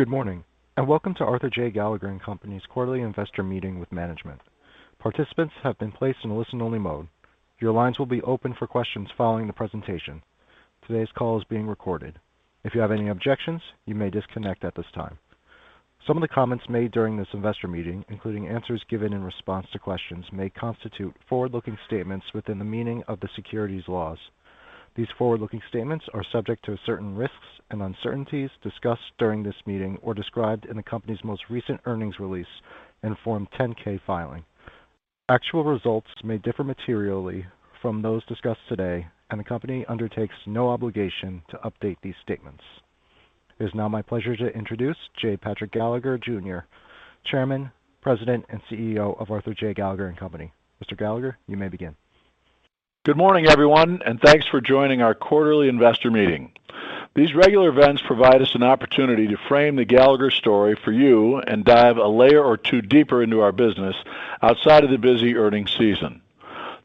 Good morning, and welcome to Arthur J. Gallagher & Co.'s quarterly investor meeting with management. Participants have been placed in a listen-only mode. Your lines will be open for questions following the presentation. Today's call is being recorded. If you have any objections, you may disconnect at this time. Some of the comments made during this investor meeting, including answers given in response to questions, may constitute forward-looking statements within the meaning of the securities laws. These forward-looking statements are subject to certain risks and uncertainties discussed during this meeting or described in the company's most recent earnings release and Form 10-K filing. Actual results may differ materially from those discussed today, and the company undertakes no obligation to update these statements. It is now my pleasure to introduce J. Patrick Gallagher, Jr., Chairman, President, and CEO of Arthur J. Gallagher & Co. Mr. Gallagher, you may begin. Good morning, everyone, and thanks for joining our quarterly investor meeting. These regular events provide us an opportunity to frame the Gallagher story for you and dive a layer or 2 deeper into our business outside of the busy earnings season.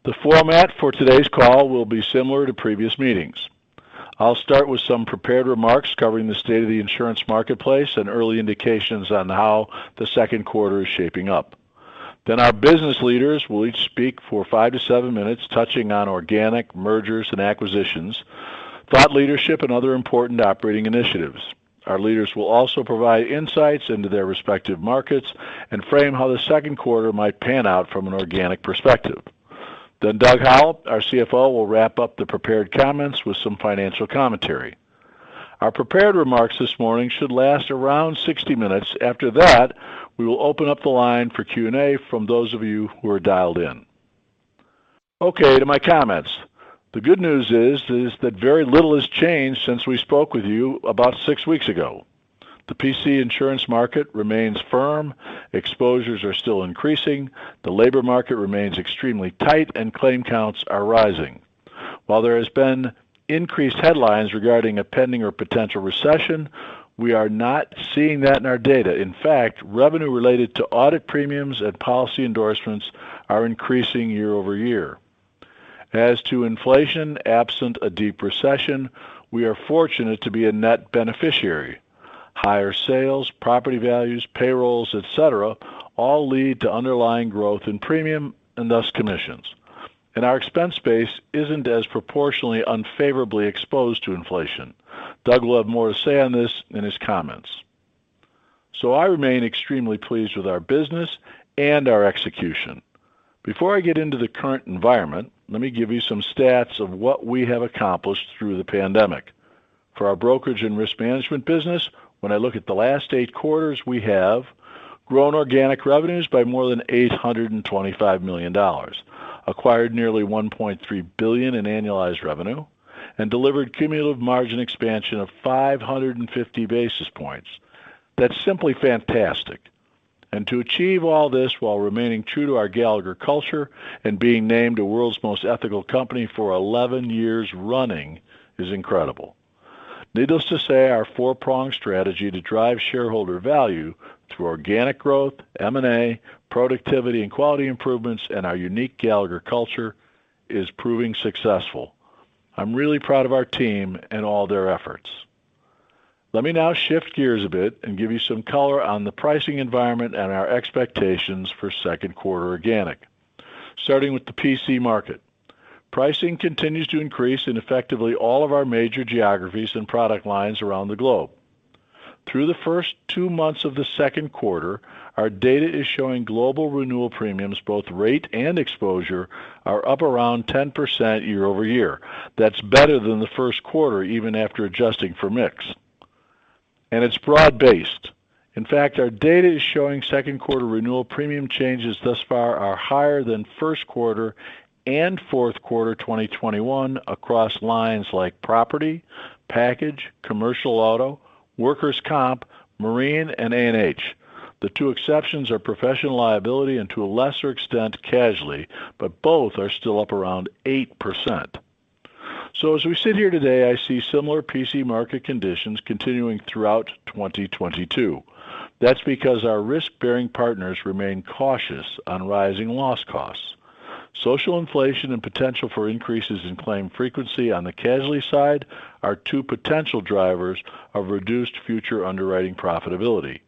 The format for today's call will be similar to previous meetings. I'll start with some prepared remarks covering the state of the insurance marketplace and early indications on how the second quarter is shaping up. Our business leaders will each speak for 5-7 minutes, touching on organic mergers and acquisitions, thought leadership, and other important operating initiatives. Our leaders will also provide insights into their respective markets and frame how the second quarter might pan out from an organic perspective. Douglas Howell, our CFO, will wrap up the prepared comments with some financial commentary. Our prepared remarks this morning should last around 60 minutes. After that, we will open up the line for Q&A from those of you who are dialed in. Okay, to my comments. The good news is that very little has changed since we spoke with you about six weeks ago. The P&C insurance market remains firm, exposures are still increasing, the labor market remains extremely tight, and claim counts are rising. While there has been increased headlines regarding a pending or potential recession, we are not seeing that in our data. In fact, revenue related to audit premiums and policy endorsements are increasing year-over-year. As to inflation, absent a deep recession, we are fortunate to be a net beneficiary. Higher sales, property values, payrolls, etc., all lead to underlying growth in premium and thus commissions. Our expense base isn't as proportionally unfavorably exposed to inflation. Doug will have more to say on this in his comments. I remain extremely pleased with our business and our execution. Before I get into the current environment, let me give you some stats of what we have accomplished through the pandemic. For our brokerage and risk management business, when I look at the last 8 quarters, we have grown organic revenues by more than $825 million, acquired nearly $1.3 billion in annualized revenue, and delivered cumulative margin expansion of 550 basis points. That's simply fantastic. To achieve all this while remaining true to our Gallagher culture and being named the world's most ethical company for 11 years running is incredible. Needless to say, our four-pronged strategy to drive shareholder value through organic growth, M&A, productivity and quality improvements, and our unique Gallagher culture is proving successful. I'm really proud of our team and all their efforts. Let me now shift gears a bit and give you some color on the pricing environment and our expectations for second quarter organic. Starting with the PC market. Pricing continues to increase in effectively all of our major geographies and product lines around the globe. Through the first two months of the second quarter, our data is showing global renewal premiums, both rate and exposure, are up around 10% year-over-year. That's better than the first quarter, even after adjusting for mix. It's broad-based. In fact, our data is showing second quarter renewal premium changes thus far are higher than first quarter and fourth quarter 2021 across lines like property, package, commercial auto, workers' comp, marine, and A&H. The two exceptions are professional liability and to a lesser extent, casualty, but both are still up around 8%. As we sit here today, I see similar P&C market conditions continuing throughout 2022. That's because our risk-bearing partners remain cautious on rising loss costs. Social inflation and potential for increases in claim frequency on the casualty side are two potential drivers of reduced future underwriting profitability.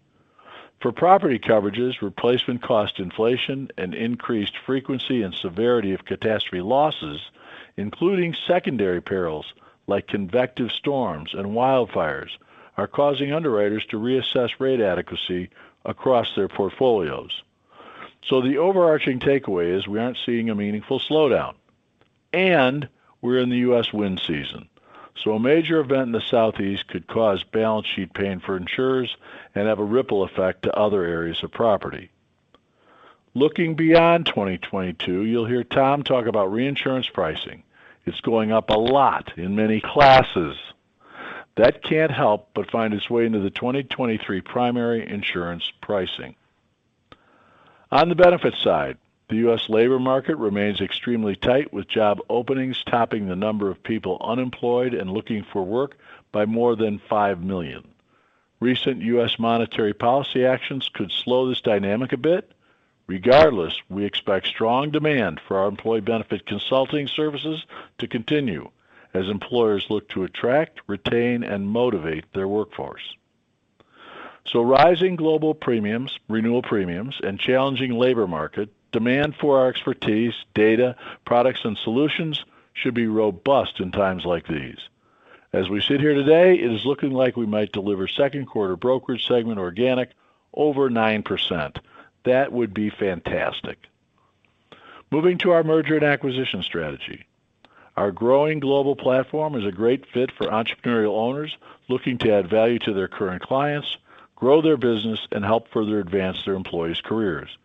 For property coverages, replacement cost inflation and increased frequency and severity of catastrophe losses, including secondary perils like convective storms and wildfires, are causing underwriters to reassess rate adequacy across their portfolios. The overarching takeaway is we aren't seeing a meaningful slowdown, and we're in the U.S. wind season. A major event in the Southeast could cause balance sheet pain for insurers and have a ripple effect to other areas of property. Looking beyond 2022, you'll hear Thomas talk about reinsurance pricing. It's going up a lot in many classes. That can't help but find its way into the 2023 primary insurance pricing. On the benefit side, the U.S. labor market remains extremely tight, with job openings topping the number of people unemployed and looking for work by more than 5 million. Recent U.S. monetary policy actions could slow this dynamic a bit. Regardless, we expect strong demand for our employee benefit consulting services to continue as employers look to attract, retain, and motivate their workforce. Rising global premiums, renewal premiums, and challenging labor market demand for our expertise, data, products, and solutions should be robust in times like these. As we sit here today, it is looking like we might deliver second quarter brokerage segment organic over 9%. That would be fantastic. Moving to our merger and acquisition strategy. Our growing global platform is a great fit for entrepreneurial owners looking to add value to their current clients, grow their business, and help further advance their employees' careers.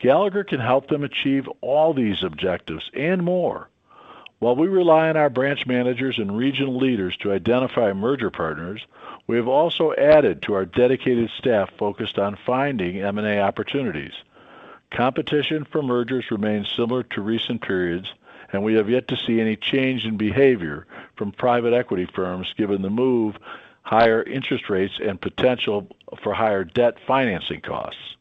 Gallagher can help them achieve all these objectives and more. While we rely on our branch managers and regional leaders to identify merger partners, we have also added to our dedicated staff focused on finding M&A opportunities. Competition for mergers remains similar to recent periods, and we have yet to see any change in behavior from private equity firms given the move higher interest rates and potential for higher debt financing costs.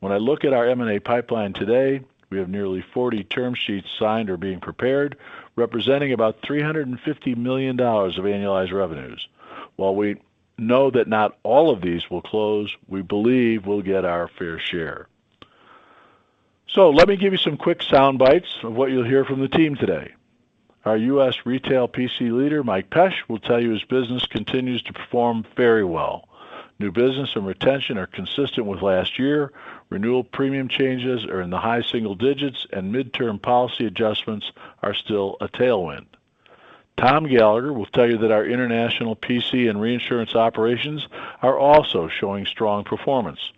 When I look at our M&A pipeline today, we have nearly 40 term sheets signed or being prepared, representing about $350 million of annualized revenues. While we know that not all of these will close, we believe we'll get our fair share. Let me give you some quick sound bites of what you'll hear from the team today. Our US retail PC leader, Michael Pesch, will tell you his business continues to perform very well. New business and retention are consistent with last year. Renewal premium changes are in the high single digits, and midterm policy adjustments are still a tailwind. Thomas Gallagher will tell you that our international PC and reinsurance operations are also showing strong performance.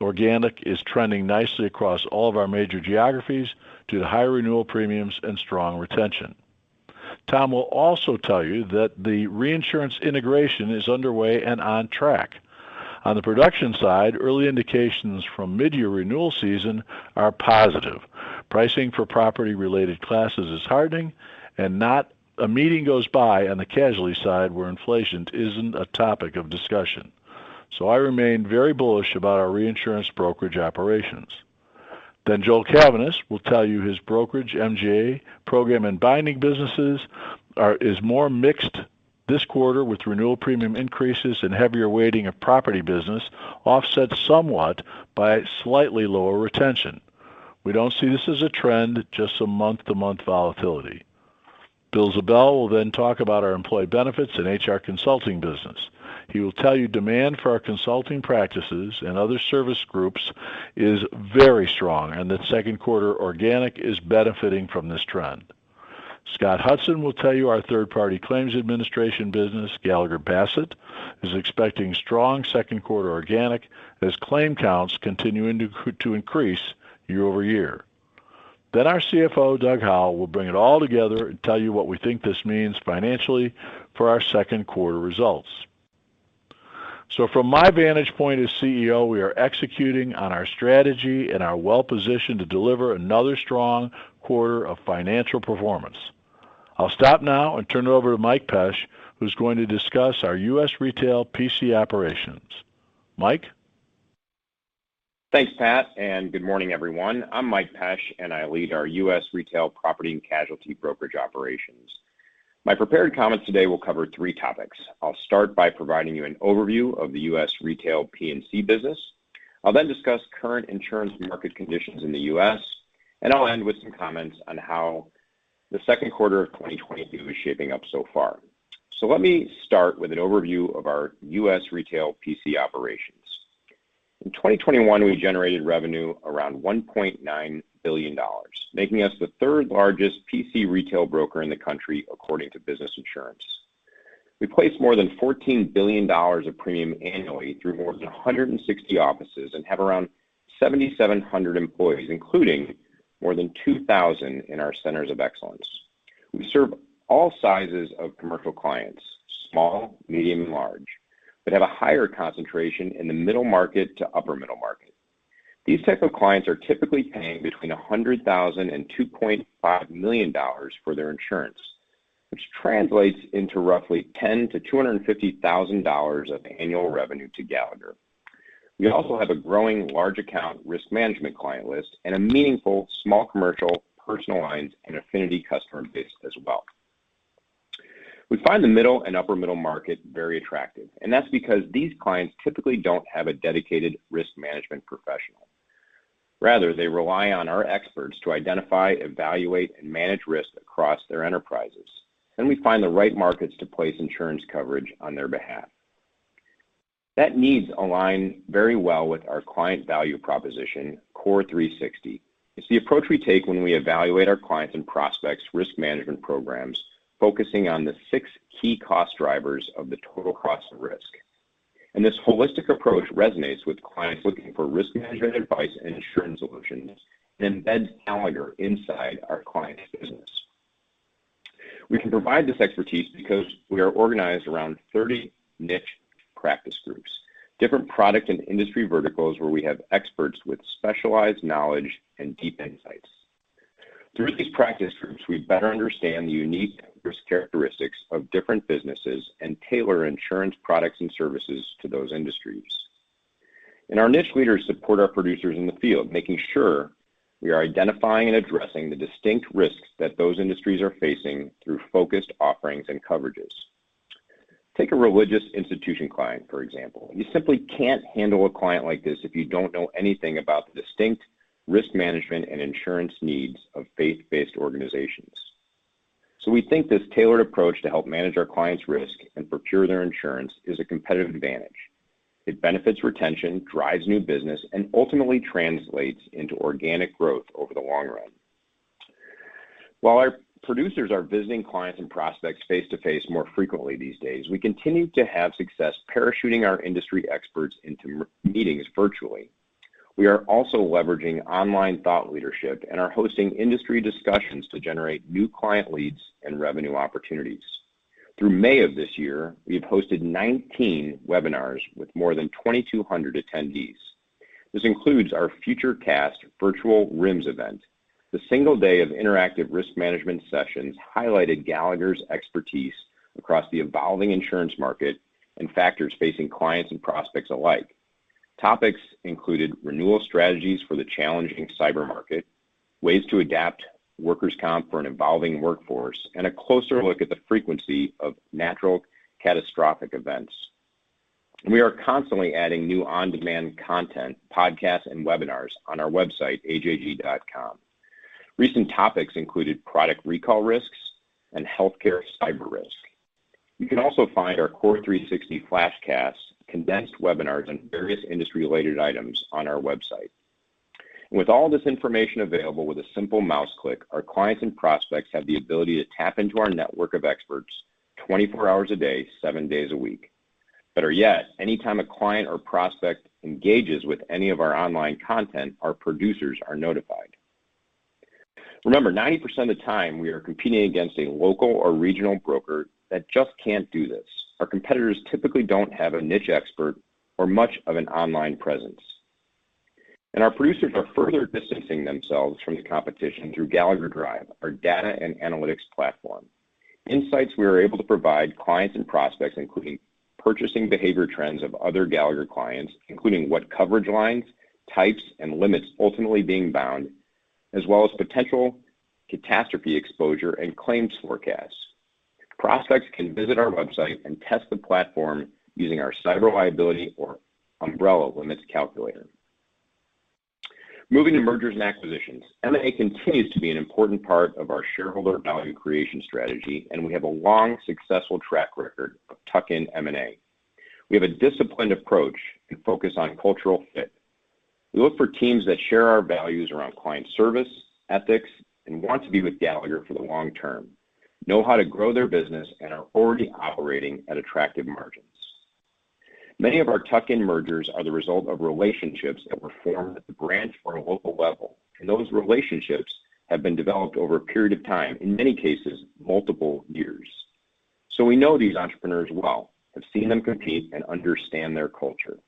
Organic is trending nicely across all of our major geographies due to higher renewal premiums and strong retention. Thomas will also tell you that the reinsurance integration is underway and on track. On the production side, early indications from mid-year renewal season are positive. Pricing for property-related classes is hardening, and not a meeting goes by on the casualty side where inflation isn't a topic of discussion. I remain very bullish about our reinsurance brokerage operations. Joel Cavaness will tell you his brokerage MGA program and binding businesses is more mixed this quarter with renewal premium increases and heavier weighting of property business offset somewhat by slightly lower retention. We don't see this as a trend, just some month-to-month volatility. Bill Ziebell will then talk about our employee benefits and HR consulting business. He will tell you demand for our consulting practices and other service groups is very strong and that second-quarter organic is benefiting from this trend. Scott Hudson will tell you our third-party claims administration business, Gallagher Bassett, is expecting strong second-quarter organic as claim counts continuing to increase year-over-year. Our CFO, Douglas Howell, will bring it all together and tell you what we think this means financially for our second-quarter results. From my vantage point as CEO, we are executing on our strategy and are well-positioned to deliver another strong quarter of financial performance. I'll stop now and turn it over to Michael Pesch, who's going to discuss our U.S. retail PC operations. Michael? Thanks, Patrick, and good morning, everyone. I'm Michael Pesch, and I lead our US retail property and casualty brokerage operations. My prepared comments today will cover three topics. I'll start by providing you an overview of the US retail P&C business. I'll then discuss current insurance market conditions in the US, and I'll end with some comments on how the second quarter of 2022 is shaping up so far. Let me start with an overview of our US retail PC operations. In 2021, we generated revenue around $1.9 billion, making us the third-largest PC retail broker in the country according to Business Insurance. We place more than $14 billion of premium annually through more than 160 offices and have around 7,700 employees, including more than 2,000 in our centers of excellence. We serve all sizes of commercial clients, small, medium, and large, but have a higher concentration in the middle market to upper middle market. These type of clients are typically paying between $100,000 and $2.5 million for their insurance, which translates into roughly $10,000-$250,000 of annual revenue to Gallagher. We also have a growing large account risk management client list and a meaningful small commercial, personal lines, and affinity customer base as well. We find the middle and upper middle market very attractive, and that's because these clients typically don't have a dedicated risk management professional. Rather, they rely on our experts to identify, evaluate, and manage risk across their enterprises. We find the right markets to place insurance coverage on their behalf. That need aligns very well with our client value proposition, CORE360. It's the approach we take when we evaluate our clients' and prospects' risk management programs, focusing on the six key cost drivers of the total cost of risk. This holistic approach resonates with clients looking for risk management advice and insurance solutions and embeds Gallagher inside our clients' business. We can provide this expertise because we are organized around thirty niche practice groups, different product and industry verticals where we have experts with specialized knowledge and deep insights. Through these practice groups, we better understand the unique risk characteristics of different businesses and tailor insurance products and services to those industries. Our niche leaders support our producers in the field, making sure we are identifying and addressing the distinct risks that those industries are facing through focused offerings and coverages. Take a religious institution client, for example. You simply can't handle a client like this if you don't know anything about the distinct risk management and insurance needs of faith-based organizations. We think this tailored approach to help manage our clients' risk and procure their insurance is a competitive advantage. It benefits retention, drives new business, and ultimately translates into organic growth over the long run. While our producers are visiting clients and prospects face-to-face more frequently these days, we continue to have success parachuting our industry experts into meetings virtually. We are also leveraging online thought leadership and are hosting industry discussions to generate new client leads and revenue opportunities. Through May of this year, we have hosted 19 webinars with more than 2,200 attendees. This includes our FutureCast virtual RIMS event. The single day of interactive risk management sessions highlighted Gallagher's expertise across the evolving insurance market and factors facing clients and prospects alike. Topics included renewal strategies for the challenging cyber market, ways to adapt workers' comp for an evolving workforce, and a closer look at the frequency of natural catastrophic events. We are constantly adding new on-demand content, podcasts, and webinars on our website, ajg.com. Recent topics included product recall risks and healthcare cyber risk. You can also find our CORE360 FlashCasts, condensed webinars on various industry-related items on our website. With all this information available with a simple mouse click, our clients and prospects have the ability to tap into our network of experts 24 hours a day, 7 days a week. Better yet, anytime a client or prospect engages with any of our online content, our producers are notified. Remember, 90% of the time we are competing against a local or regional broker that just can't do this. Our competitors typically don't have a niche expert or much of an online presence. Our producers are further distancing themselves from the competition through Gallagher Drive, our data and analytics platform. Insights we are able to provide clients and prospects, including purchasing behavior trends of other Gallagher clients, including what coverage lines, types, and limits ultimately being bound, as well as potential catastrophe exposure and claims forecasts. Prospects can visit our website and test the platform using our cyber liability or umbrella limits calculator. Moving to mergers and acquisitions. M&A continues to be an important part of our shareholder value creation strategy, and we have a long, successful track record of tuck-in M&A. We have a disciplined approach and focus on cultural fit. We look for teams that share our values around client service, ethics, and want to be with Gallagher for the long term, know how to grow their business and are already operating at attractive margins. Many of our tuck-in mergers are the result of relationships that were formed at the branch or a local level, and those relationships have been developed over a period of time, in many cases, multiple years. We know these entrepreneurs well, have seen them compete, and understand their culture.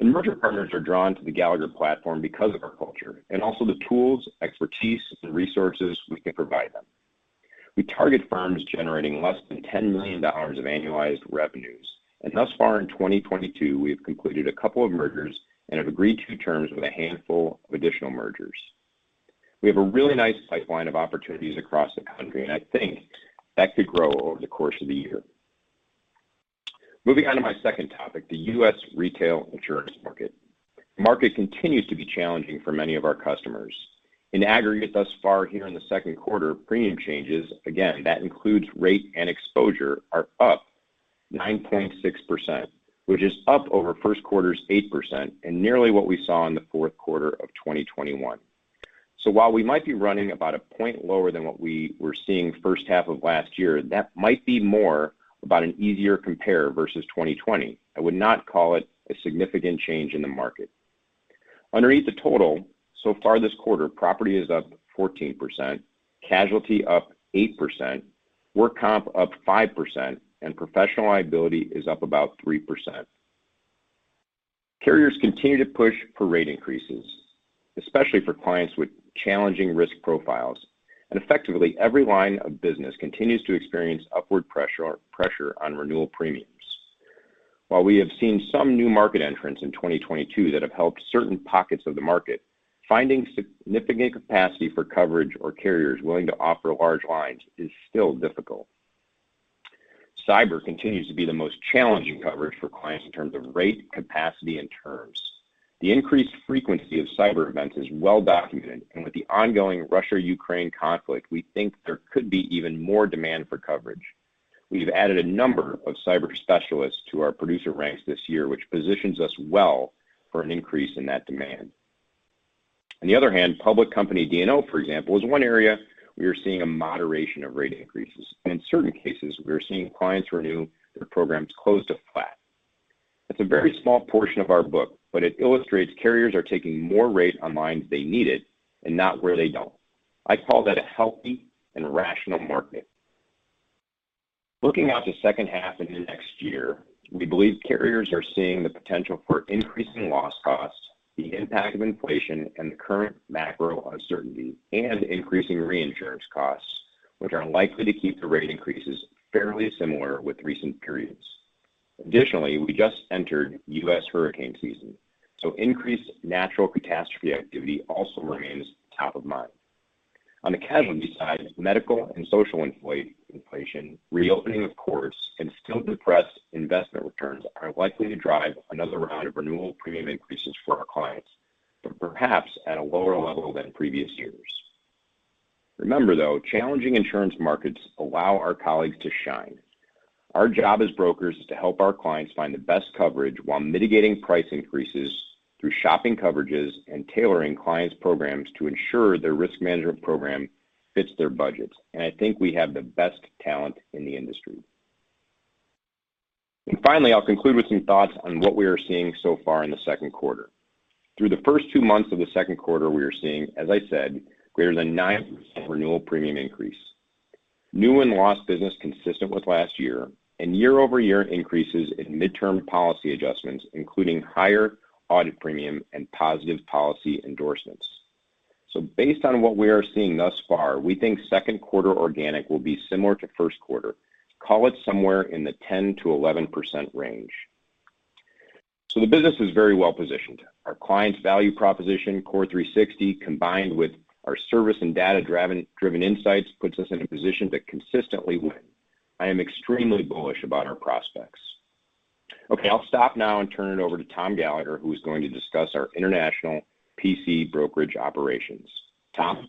Merger partners are drawn to the Gallagher platform because of our culture and also the tools, expertise, and resources we can provide them. We target firms generating less than $10 million of annualized revenues, and thus far in 2022, we have completed a couple of mergers and have agreed to terms with a handful of additional mergers. We have a really nice pipeline of opportunities across the country, and I think that could grow over the course of the year. Moving on to my second topic, the U.S. retail insurance market. Market continues to be challenging for many of our customers. In aggregate thus far here in the second quarter, premium changes, again, that includes rate and exposure, are up 9.6%, which is up over first quarter's 8% and nearly what we saw in the fourth quarter of 2021. While we might be running about a point lower than what we were seeing first half of last year, that might be more about an easier compare versus 2020. I would not call it a significant change in the market. Underneath the total, so far this quarter, property is up 14%, casualty up 8%, work comp up 5%, and professional liability is up about 3%. Carriers continue to push for rate increases, especially for clients with challenging risk profiles. Effectively, every line of business continues to experience upward pressure on renewal premiums. While we have seen some new market entrants in 2022 that have helped certain pockets of the market, finding significant capacity for coverage or carriers willing to offer large lines is still difficult. Cyber continues to be the most challenging coverage for clients in terms of rate, capacity, and terms. The increased frequency of cyber events is well documented, and with the ongoing Russia-Ukraine conflict, we think there could be even more demand for coverage. We've added a number of cyber specialists to our producer ranks this year, which positions us well for an increase in that demand. On the other hand, public company D&O, for example, is one area we are seeing a moderation of rate increases, and in certain cases, we are seeing clients renew their programs close to flat. It's a very small portion of our book, but it illustrates carriers are taking more rate on lines they need it and not where they don't. I call that a healthy and rational market. Looking out the second half into next year, we believe carriers are seeing the potential for increasing loss costs, the impact of inflation, and the current macro uncertainty and increasing reinsurance costs, which are likely to keep the rate increases fairly similar with recent periods. Additionally, we just entered U.S. hurricane season, so increased natural catastrophe activity also remains top of mind. On the casualty side, medical and social inflation, reopening of course, and still depressed investment returns are likely to drive another round of renewal premium increases for our clients, but perhaps at a lower level than previous years. Remember though, challenging insurance markets allow our colleagues to shine. Our job as brokers is to help our clients find the best coverage while mitigating price increases through shopping coverages and tailoring clients' programs to ensure their risk management program fits their budgets. I think we have the best talent in the industry. Finally, I'll conclude with some thoughts on what we are seeing so far in the second quarter. Through the first two months of the second quarter, we are seeing, as I said, greater than 9% renewal premium increase. New and lost business consistent with last year and year-over-year increases in midterm policy adjustments, including higher audit premium and positive policy endorsements. Based on what we are seeing thus far, we think second quarter organic will be similar to first quarter. Call it somewhere in the 10%-11% range. The business is very well positioned. Our clients' value proposition CORE360, combined with our service and data-driven insights, puts us in a position to consistently win. I am extremely bullish about our prospects. Okay, I'll stop now and turn it over to Thomas Gallagher, who's going to discuss our international PC brokerage operations. Thomas.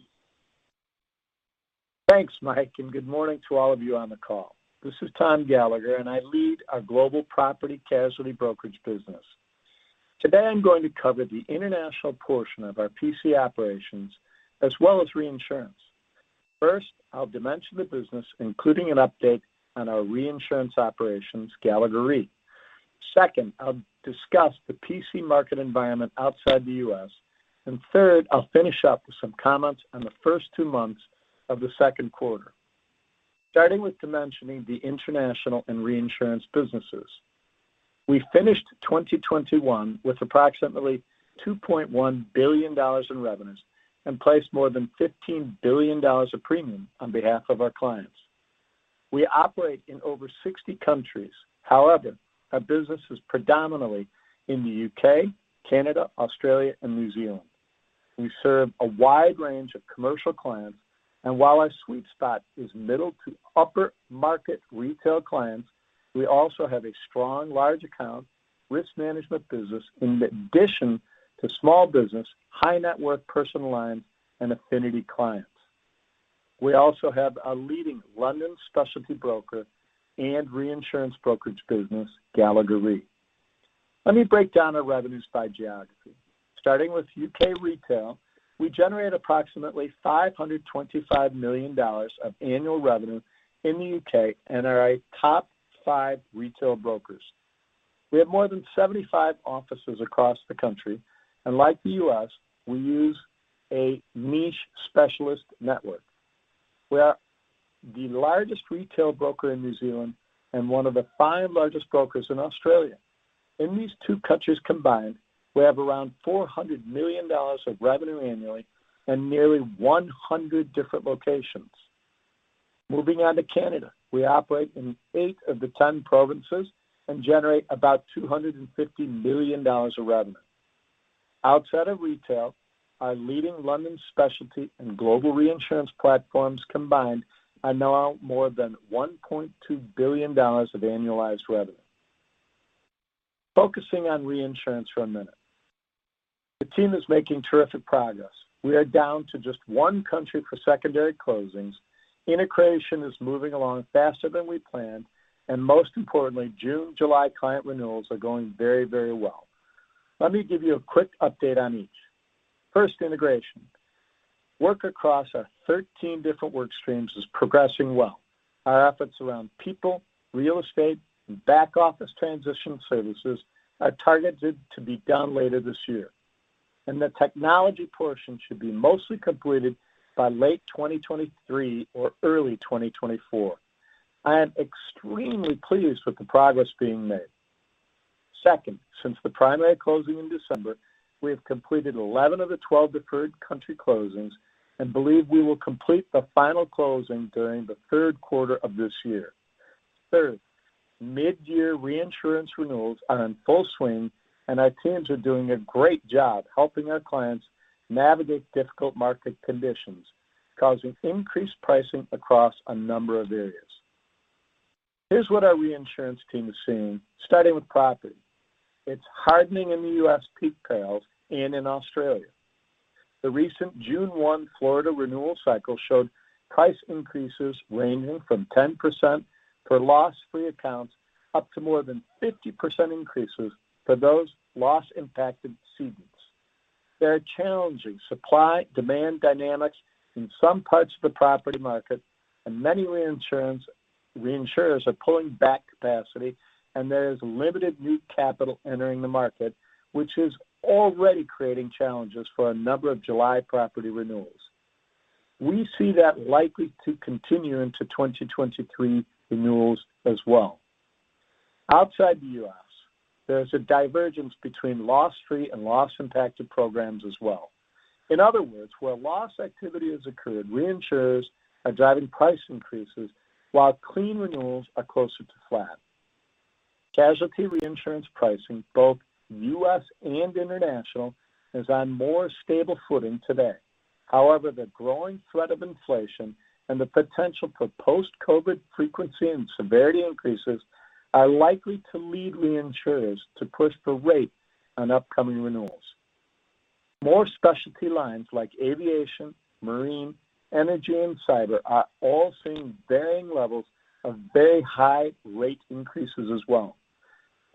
Thanks, Michael, and good morning to all of you on the call. This is Thomas Gallagher, and I lead our global property casualty brokerage business. Today I'm going to cover the international portion of our PC operations as well as reinsurance. First, I'll dimension the business, including an update on our reinsurance operations, Gallagher Re. Second, I'll discuss the PC market environment outside the U.S. Third, I'll finish up with some comments on the first two months of the second quarter. Starting with dimensioning the international and reinsurance businesses. We finished 2021 with approximately $2.1 billion in revenues and placed more than $15 billion of premium on behalf of our clients. We operate in over 60 countries. However, our business is predominantly in the U.K., Canada, Australia, and New Zealand. We serve a wide range of commercial clients, and while our sweet spot is middle to upper market retail clients, we also have a strong large account risk management business in addition to small business, high net worth personal lines and affinity clients. We also have a leading London specialty broker and reinsurance brokerage business, Gallagher Re. Let me break down our revenues by geography. Starting with U.K. retail, we generate approximately $525 million of annual revenue in the U.K. and are a top five retail brokers. We have more than 75 offices across the country, and like the U.S., we use a niche specialist network. We are the largest retail broker in New Zealand and one of the five largest brokers in Australia. In these two countries combined, we have around $400 million of revenue annually and nearly 100 different locations. Moving on to Canada, we operate in 8 of the 10 provinces and generate about $250 million of revenue. Outside of retail, our leading London specialty and global reinsurance platforms combined are now more than $1.2 billion of annualized revenue. Focusing on reinsurance for a minute. The team is making terrific progress. We are down to just one country for secondary closings. Integration is moving along faster than we planned, and most importantly, June, July client renewals are going very, very well. Let me give you a quick update on each. First, integration. Work across our 13 different work streams is progressing well. Our efforts around people, real estate, and back office transition services are targeted to be done later this year, and the technology portion should be mostly completed by late 2023 or early 2024. I am extremely pleased with the progress being made. Second, since the primary closing in December, we have completed 11 of the 12 deferred country closings and believe we will complete the final closing during the third quarter of this year. Third, mid-year reinsurance renewals are in full swing, and our teams are doing a great job helping our clients navigate difficult market conditions, causing increased pricing across a number of areas. Here's what our reinsurance team is seeing, starting with property. It's hardening in the U.S. P&C lines and in Australia. The recent June 1 Florida renewal cycle showed price increases ranging from 10% for loss-free accounts up to more than 50% increases for those loss-impacted cedents. There are challenging supply-demand dynamics in some parts of the property market, and many reinsurers are pulling back capacity, and there is limited new capital entering the market, which is already creating challenges for a number of July property renewals. We see that likely to continue into 2023 renewals as well. Outside the U.S., there is a divergence between loss-free and loss-impacted programs as well. In other words, where loss activity has occurred, reinsurers are driving price increases while clean renewals are closer to flat. Casualty reinsurance pricing, both U.S. and international, is on more stable footing today. However, the growing threat of inflation and the potential for post-COVID frequency and severity increases are likely to lead reinsurers to push for rate on upcoming renewals. More specialty lines like aviation, marine, energy, and cyber are all seeing varying levels of very high rate increases as well.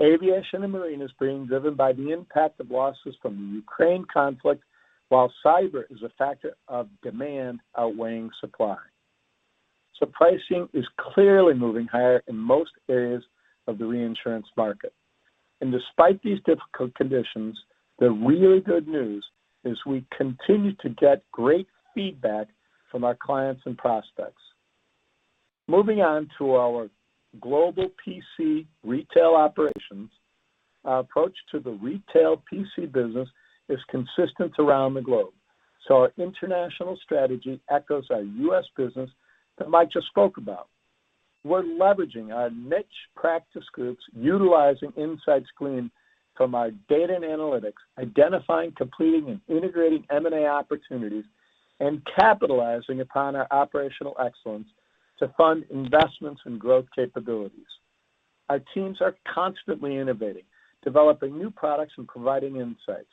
Aviation and marine is being driven by the impact of losses from the Ukraine conflict, while cyber is a factor of demand outweighing supply. Pricing is clearly moving higher in most areas of the reinsurance market. Despite these difficult conditions, the really good news is we continue to get great feedback from our clients and prospects. Moving on to our global PC retail operations, our approach to the retail PC business is consistent around the globe. Our international strategy echoes our U.S. business that Michael just spoke about. We're leveraging our niche practice groups, utilizing insights gleaned from our data and analytics, identifying, completing, and integrating M&A opportunities, and capitalizing upon our operational excellence to fund investments and growth capabilities. Our teams are constantly innovating, developing new products, and providing insights.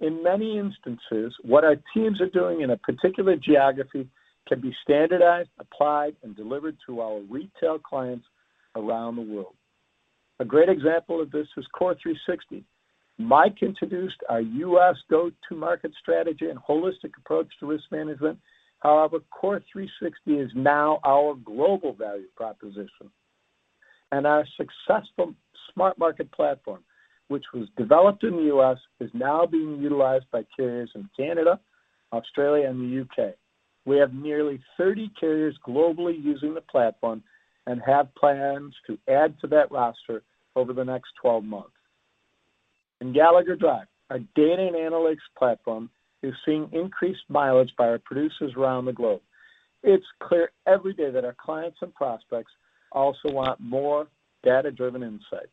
In many instances, what our teams are doing in a particular geography can be standardized, applied, and delivered to our retail clients around the world. A great example of this is CORE360. Michael introduced our U.S. go-to-market strategy and holistic approach to risk management. However, CORE360 is now our global value proposition. Our successful SmartMarket platform, which was developed in the U.S., is now being utilized by carriers in Canada, Australia, and the U.K. We have nearly 30 carriers globally using the platform and have plans to add to that roster over the next 12 months. In Gallagher Drive, our data and analytics platform is seeing increased mileage by our producers around the globe. It's clear every day that our clients and prospects also want more data-driven insights.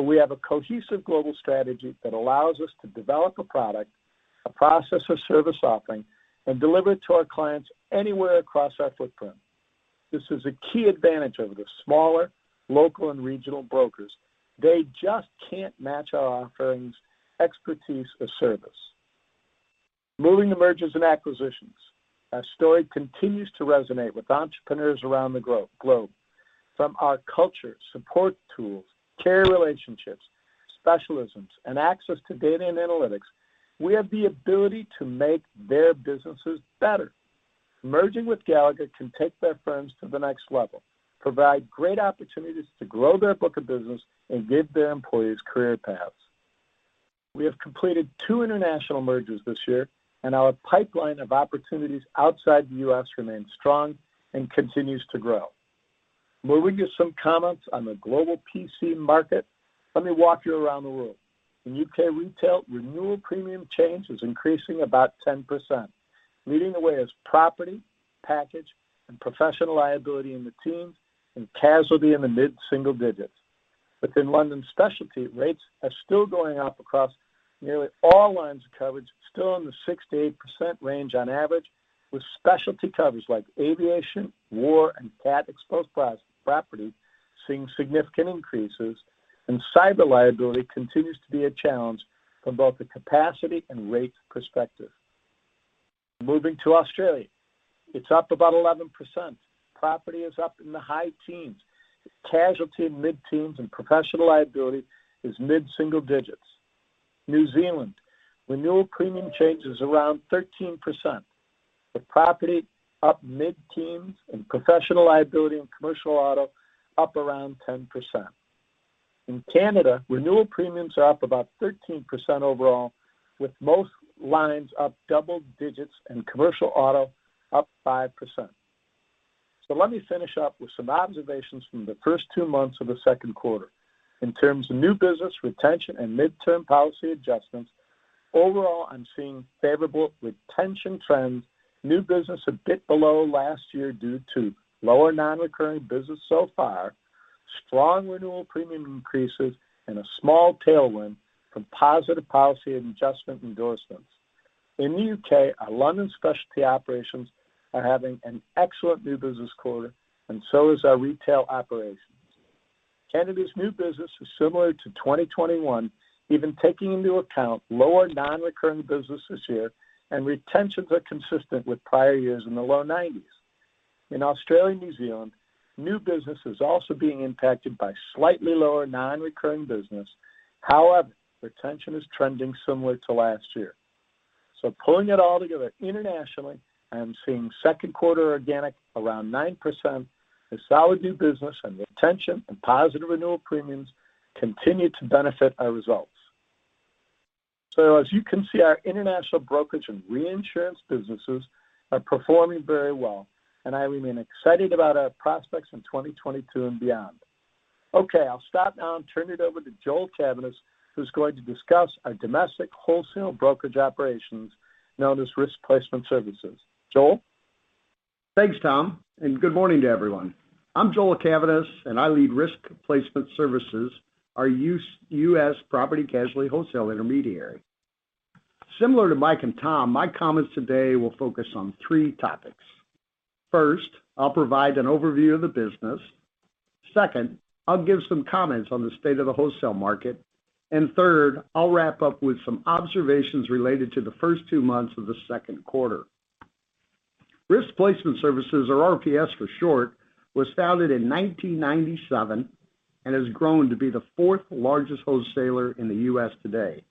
We have a cohesive global strategy that allows us to develop a product, a process or service offering, and deliver it to our clients anywhere across our footprint. This is a key advantage over the smaller local and regional brokers. They just can't match our offerings, expertise, or service. Moving to mergers and acquisitions, our story continues to resonate with entrepreneurs around the globe. From our culture, support tools, carrier relationships, specialisms, and access to data and analytics, we have the ability to make their businesses better. Merging with Gallagher can take their firms to the next level, provide great opportunities to grow their book of business, and give their employees career paths. We have completed two international mergers this year, and our pipeline of opportunities outside the US remains strong and continues to grow. Moving to some comments on the global P&C market, let me walk you around the world. In U.K. retail, renewal premium change is increasing about 10%. Leading the way is property, package, and professional liability in the teens, and casualty in the mid-single digits. Within London specialty, rates are still going up across nearly all lines of coverage, still in the 6%-8% range on average, with specialty coverage like aviation, war, and cat-exposed property seeing significant increases, and cyber liability continues to be a challenge from both a capacity and rate perspective. Moving to Australia, it's up about 11%. Property is up in the high teens. Casualty mid-teens, and professional liability is mid-single digits. New Zealand, renewal premium change is around 13%, with property up mid-teens and professional liability and commercial auto up around 10%. In Canada, renewal premiums are up about 13% overall, with most lines up double digits and commercial auto up 5%. Let me finish up with some observations from the first 2 months of the second quarter. In terms of new business retention and midterm policy adjustments, overall, I'm seeing favorable retention trends, new business a bit below last year due to lower non-recurring business so far, strong renewal premium increases, and a small tailwind from positive policy adjustment endorsements. In the UK, our London specialty operations are having an excellent new business quarter, and so is our retail operations. Canada's new business is similar to 2021, even taking into account lower non-recurring business this year, and retentions are consistent with prior years in the low 90s. In Australia and New Zealand, new business is also being impacted by slightly lower non-recurring business. However, retention is trending similar to last year. Pulling it all together internationally, I am seeing second quarter organic around 9% as solid new business and retention and positive renewal premiums continue to benefit our results. As you can see, our international brokerage and reinsurance businesses are performing very well, and I remain excited about our prospects in 2022 and beyond. Okay, I'll stop now and turn it over to Joel Cavaness, who's going to discuss our domestic wholesale brokerage operations known as Risk Placement Services. Joel. Thanks, Thomas, and good morning to everyone. I'm Joel Cavaness, and I lead Risk Placement Services, our U.S. Property Casualty wholesale intermediary. Similar to Michael and Thomas, my comments today will focus on three topics. First, I'll provide an overview of the business. Second, I'll give some comments on the state of the wholesale market. Third, I'll wrap up with some observations related to the first two months of the second quarter. Risk Placement Services or RPS for short, was founded in 1997 and has grown to be the fourth largest wholesaler in the U.S. today.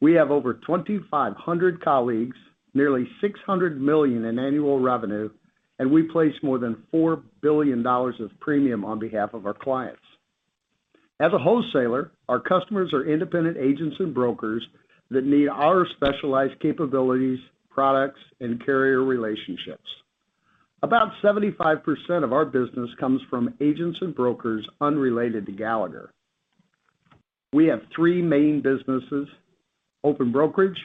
We have over 2,500 colleagues, nearly $600 million in annual revenue, and we place more than $4 billion of premium on behalf of our clients. As a wholesaler, our customers are independent agents and brokers that need our specialized capabilities, products, and carrier relationships. About 75% of our business comes from agents and brokers unrelated to Gallagher. We have three main businesses, open brokerage,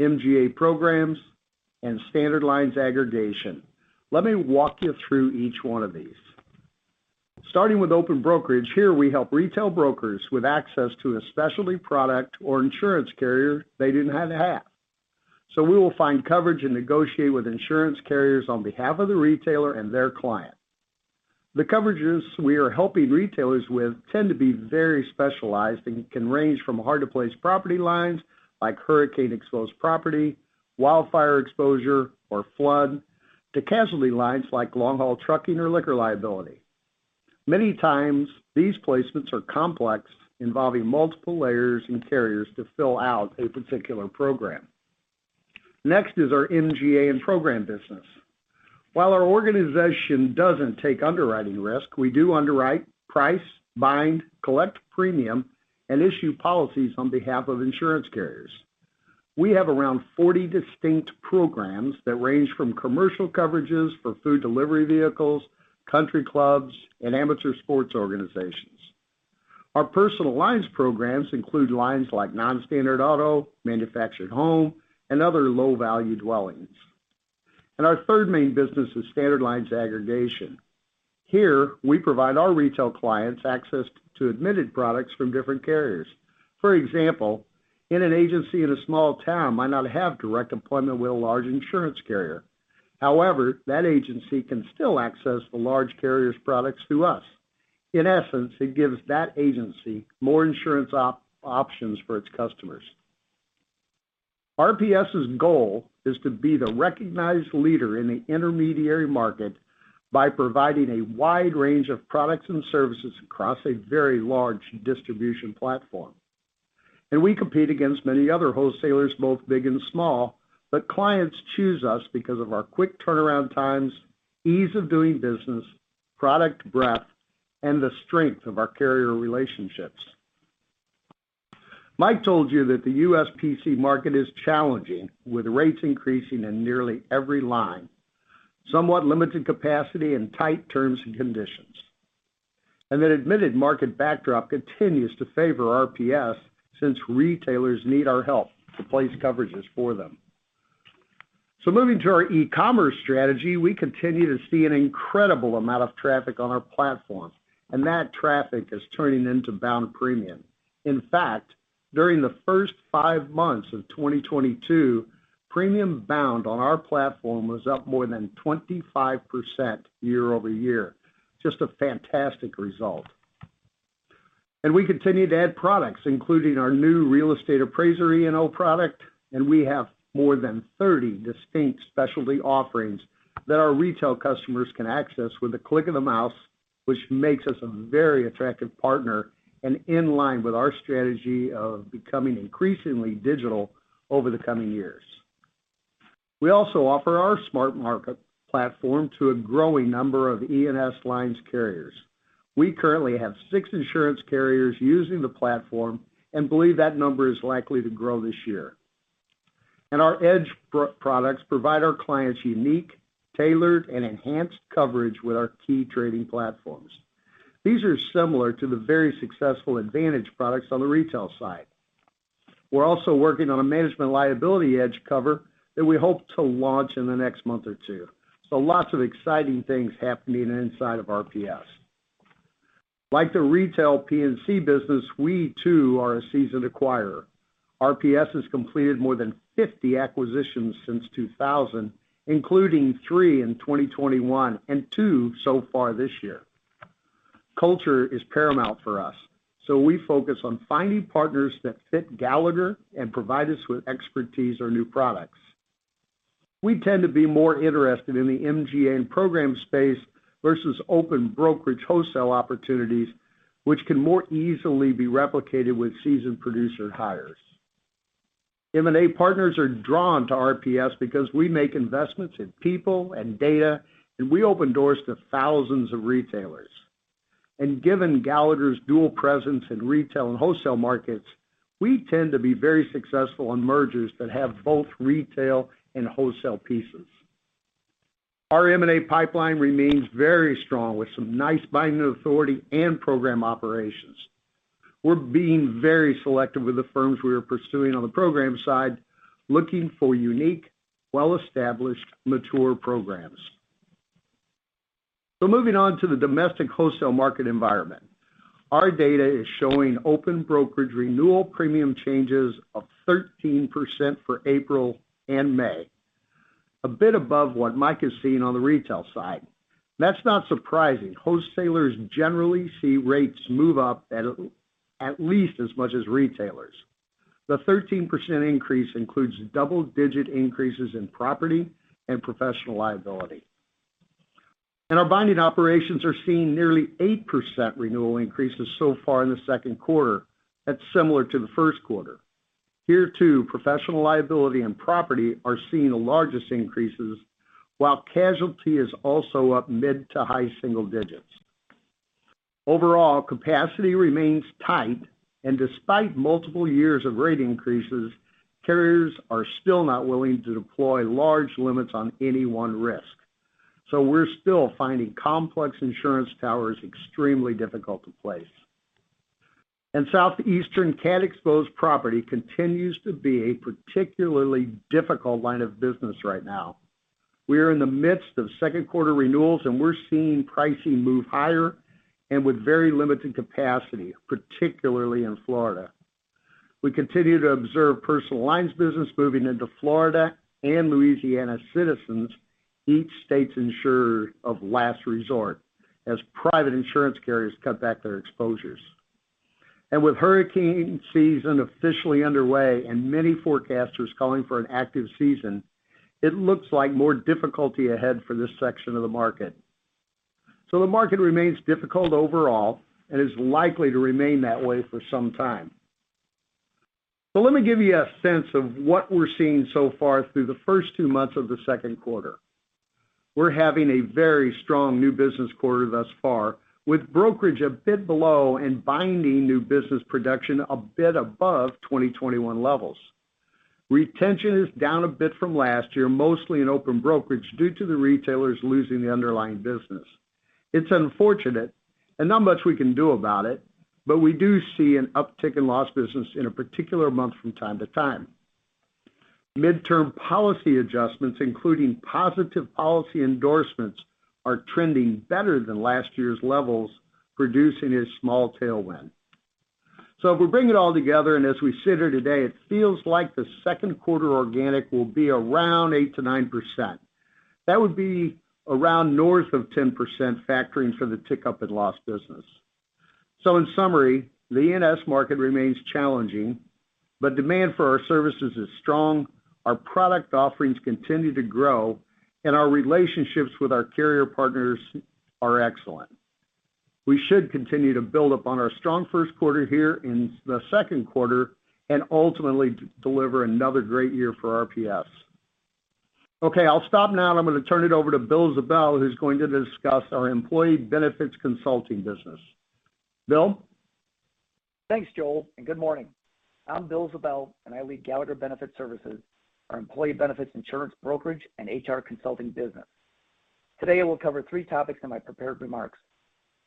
MGA programs, and standard lines aggregation. Let me walk you through each one of these. Starting with open brokerage, here we help retail brokers with access to a specialty product or insurance carrier they didn't have to have. We will find coverage and negotiate with insurance carriers on behalf of the retail broker and their client. The coverages we are helping retail brokers with tend to be very specialized, and it can range from hard to place property lines like hurricane-exposed property, wildfire exposure or flood, to casualty lines like long-haul trucking or liquor liability. Many times these placements are complex, involving multiple layers and carriers to fill out a particular program. Next is our MGA and program business. While our organization doesn't take underwriting risk, we do underwrite, price, bind, collect premium, and issue policies on behalf of insurance carriers. We have around 40 distinct programs that range from commercial coverages for food delivery vehicles, country clubs, and amateur sports organizations. Our personal lines programs include lines like non-standard auto, manufactured home, and other low-value dwellings. Our third main business is standard lines aggregation. Here, we provide our retail clients access to admitted products from different carriers. For example, an agency in a small town might not have direct appointment with a large insurance carrier. However, that agency can still access the large carrier's products through us. In essence, it gives that agency more insurance options for its customers. RPS's goal is to be the recognized leader in the intermediary market by providing a wide range of products and services across a very large distribution platform. We compete against many other wholesalers, both big and small, but clients choose us because of our quick turnaround times, ease of doing business, product breadth, and the strength of our carrier relationships. Michael told you that the U.S. P&C market is challenging with rates increasing in nearly every line, somewhat limited capacity and tight terms and conditions. That admitted market backdrop continues to favor RPS since retailers need our help to place coverages for them. Moving to our e-commerce strategy, we continue to see an incredible amount of traffic on our platform, and that traffic is turning into bound premium. In fact, during the first 5 months of 2022, premium bound on our platform was up more than 25% year-over-year. Just a fantastic result. We continue to add products, including our new real estate appraiser E&O product, and we have more than 30 distinct specialty offerings that our retail customers can access with the click of a mouse, which makes us a very attractive partner and in line with our strategy of becoming increasingly digital over the coming years. We also offer our SmartMarket platform to a growing number of E&S lines carriers. We currently have 6 insurance carriers using the platform and believe that number is likely to grow this year. Our Edge products provide our clients unique, tailored, and enhanced coverage with our key trading platforms. These are similar to the very successful advantage products on the retail side. We're also working on a management liability Edge cover that we hope to launch in the next month or two. Lots of exciting things happening inside of RPS. Like the retail P&C business, we too are a seasoned acquirer. RPS has completed more than 50 acquisitions since 2000, including 3 in 2021 and 2 so far this year. Culture is paramount for us, so we focus on finding partners that fit Gallagher and provide us with expertise or new products. We tend to be more interested in the MGA and program space versus open brokerage wholesale opportunities, which can more easily be replicated with seasoned producer hires. M&A partners are drawn to RPS because we make investments in people and data, and we open doors to thousands of retailers. Given Gallagher's dual presence in retail and wholesale markets, we tend to be very successful on mergers that have both retail and wholesale pieces. Our M&A pipeline remains very strong with some nice binding authority and program operations. We're being very selective with the firms we are pursuing on the program side, looking for unique, well-established, mature programs. Moving on to the domestic wholesale market environment. Our data is showing open brokerage renewal premium changes of 13% for April and May, a bit above what Michael is seeing on the retail side. That's not surprising. Wholesalers generally see rates move up at least as much as retailers. The 13% increase includes double-digit increases in property and professional liability. Our binding operations are seeing nearly 8% renewal increases so far in the second quarter. That's similar to the first quarter. Here, too, professional liability and property are seeing the largest increases, while casualty is also up mid- to high-single digits. Overall, capacity remains tight, and despite multiple years of rate increases, carriers are still not willing to deploy large limits on any one risk. We're still finding complex insurance towers extremely difficult to place. Southeastern cat-exposed property continues to be a particularly difficult line of business right now. We are in the midst of second quarter renewals, and we're seeing pricing move higher and with very limited capacity, particularly in Florida. We continue to observe personal lines business moving into Florida and Louisiana Citizens, each state's insurer of last resort, as private insurance carriers cut back their exposures. With hurricane season officially underway and many forecasters calling for an active season, it looks like more difficulty ahead for this section of the market. The market remains difficult overall and is likely to remain that way for some time. Let me give you a sense of what we're seeing so far through the first two months of the second quarter. We're having a very strong new business quarter thus far, with brokerage a bit below and binding new business production a bit above 2021 levels. Retention is down a bit from last year, mostly in open brokerage due to the retailers losing the underlying business. It's unfortunate, and not much we can do about it, but we do see an uptick in lost business in a particular month from time to time. Mid-term policy adjustments, including positive policy endorsements, are trending better than last year's levels, producing a small tailwind. If we bring it all together, and as we sit here today, it feels like the second quarter organic will be around 8%-9%. That would be around north of 10% factoring for the tick up in lost business. In summary, the E&S market remains challenging, but demand for our services is strong, our product offerings continue to grow, and our relationships with our carrier partners are excellent. We should continue to build upon our strong first quarter here in the second quarter and ultimately deliver another great year for RPS. Okay, I'll stop now, and I'm going to turn it over to William Ziebell, who's going to discuss our employee benefits consulting business. Bill? Thanks, Joel, and good morning. I'm William Ziebell, and I lead Gallagher Benefit Services, our employee benefits insurance brokerage and HR consulting business. Today, I will cover three topics in my prepared remarks.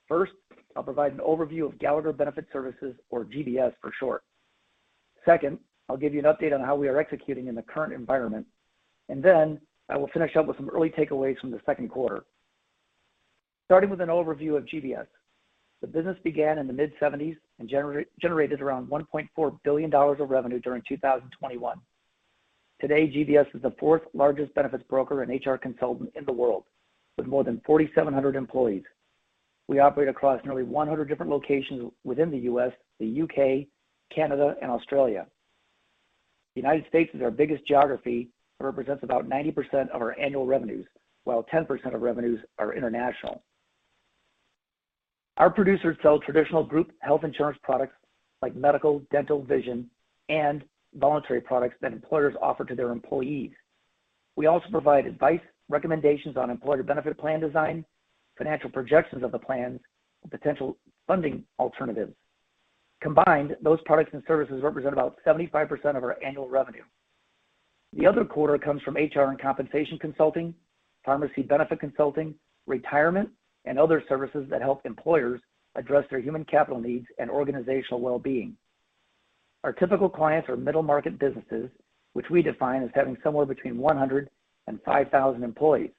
First, I'll provide an overview of Gallagher Benefit Services or GBS for short. Second, I'll give you an update on how we are executing in the current environment. I will finish up with some early takeaways from the second quarter. Starting with an overview of GBS. The business began in the mid-seventies and generated around $1.4 billion of revenue during 2021. Today, GBS is the fourth largest benefits broker and HR consultant in the world with more than 4,700 employees. We operate across nearly 100 different locations within the U.S., the U.K., Canada, and Australia. The United States is our biggest geography and represents about 90% of our annual revenues, while 10% of revenues are international. Our producers sell traditional group health insurance products like medical, dental, vision, and voluntary products that employers offer to their employees. We also provide advice, recommendations on employer benefit plan design, financial projections of the plans, and potential funding alternatives. Combined, those products and services represent about 75% of our annual revenue. The other quarter comes from HR and compensation consulting, pharmacy benefit consulting, retirement, and other services that help employers address their human capital needs and organizational well-being. Our typical clients are middle-market businesses, which we define as having somewhere between 100 and 5,000 employees.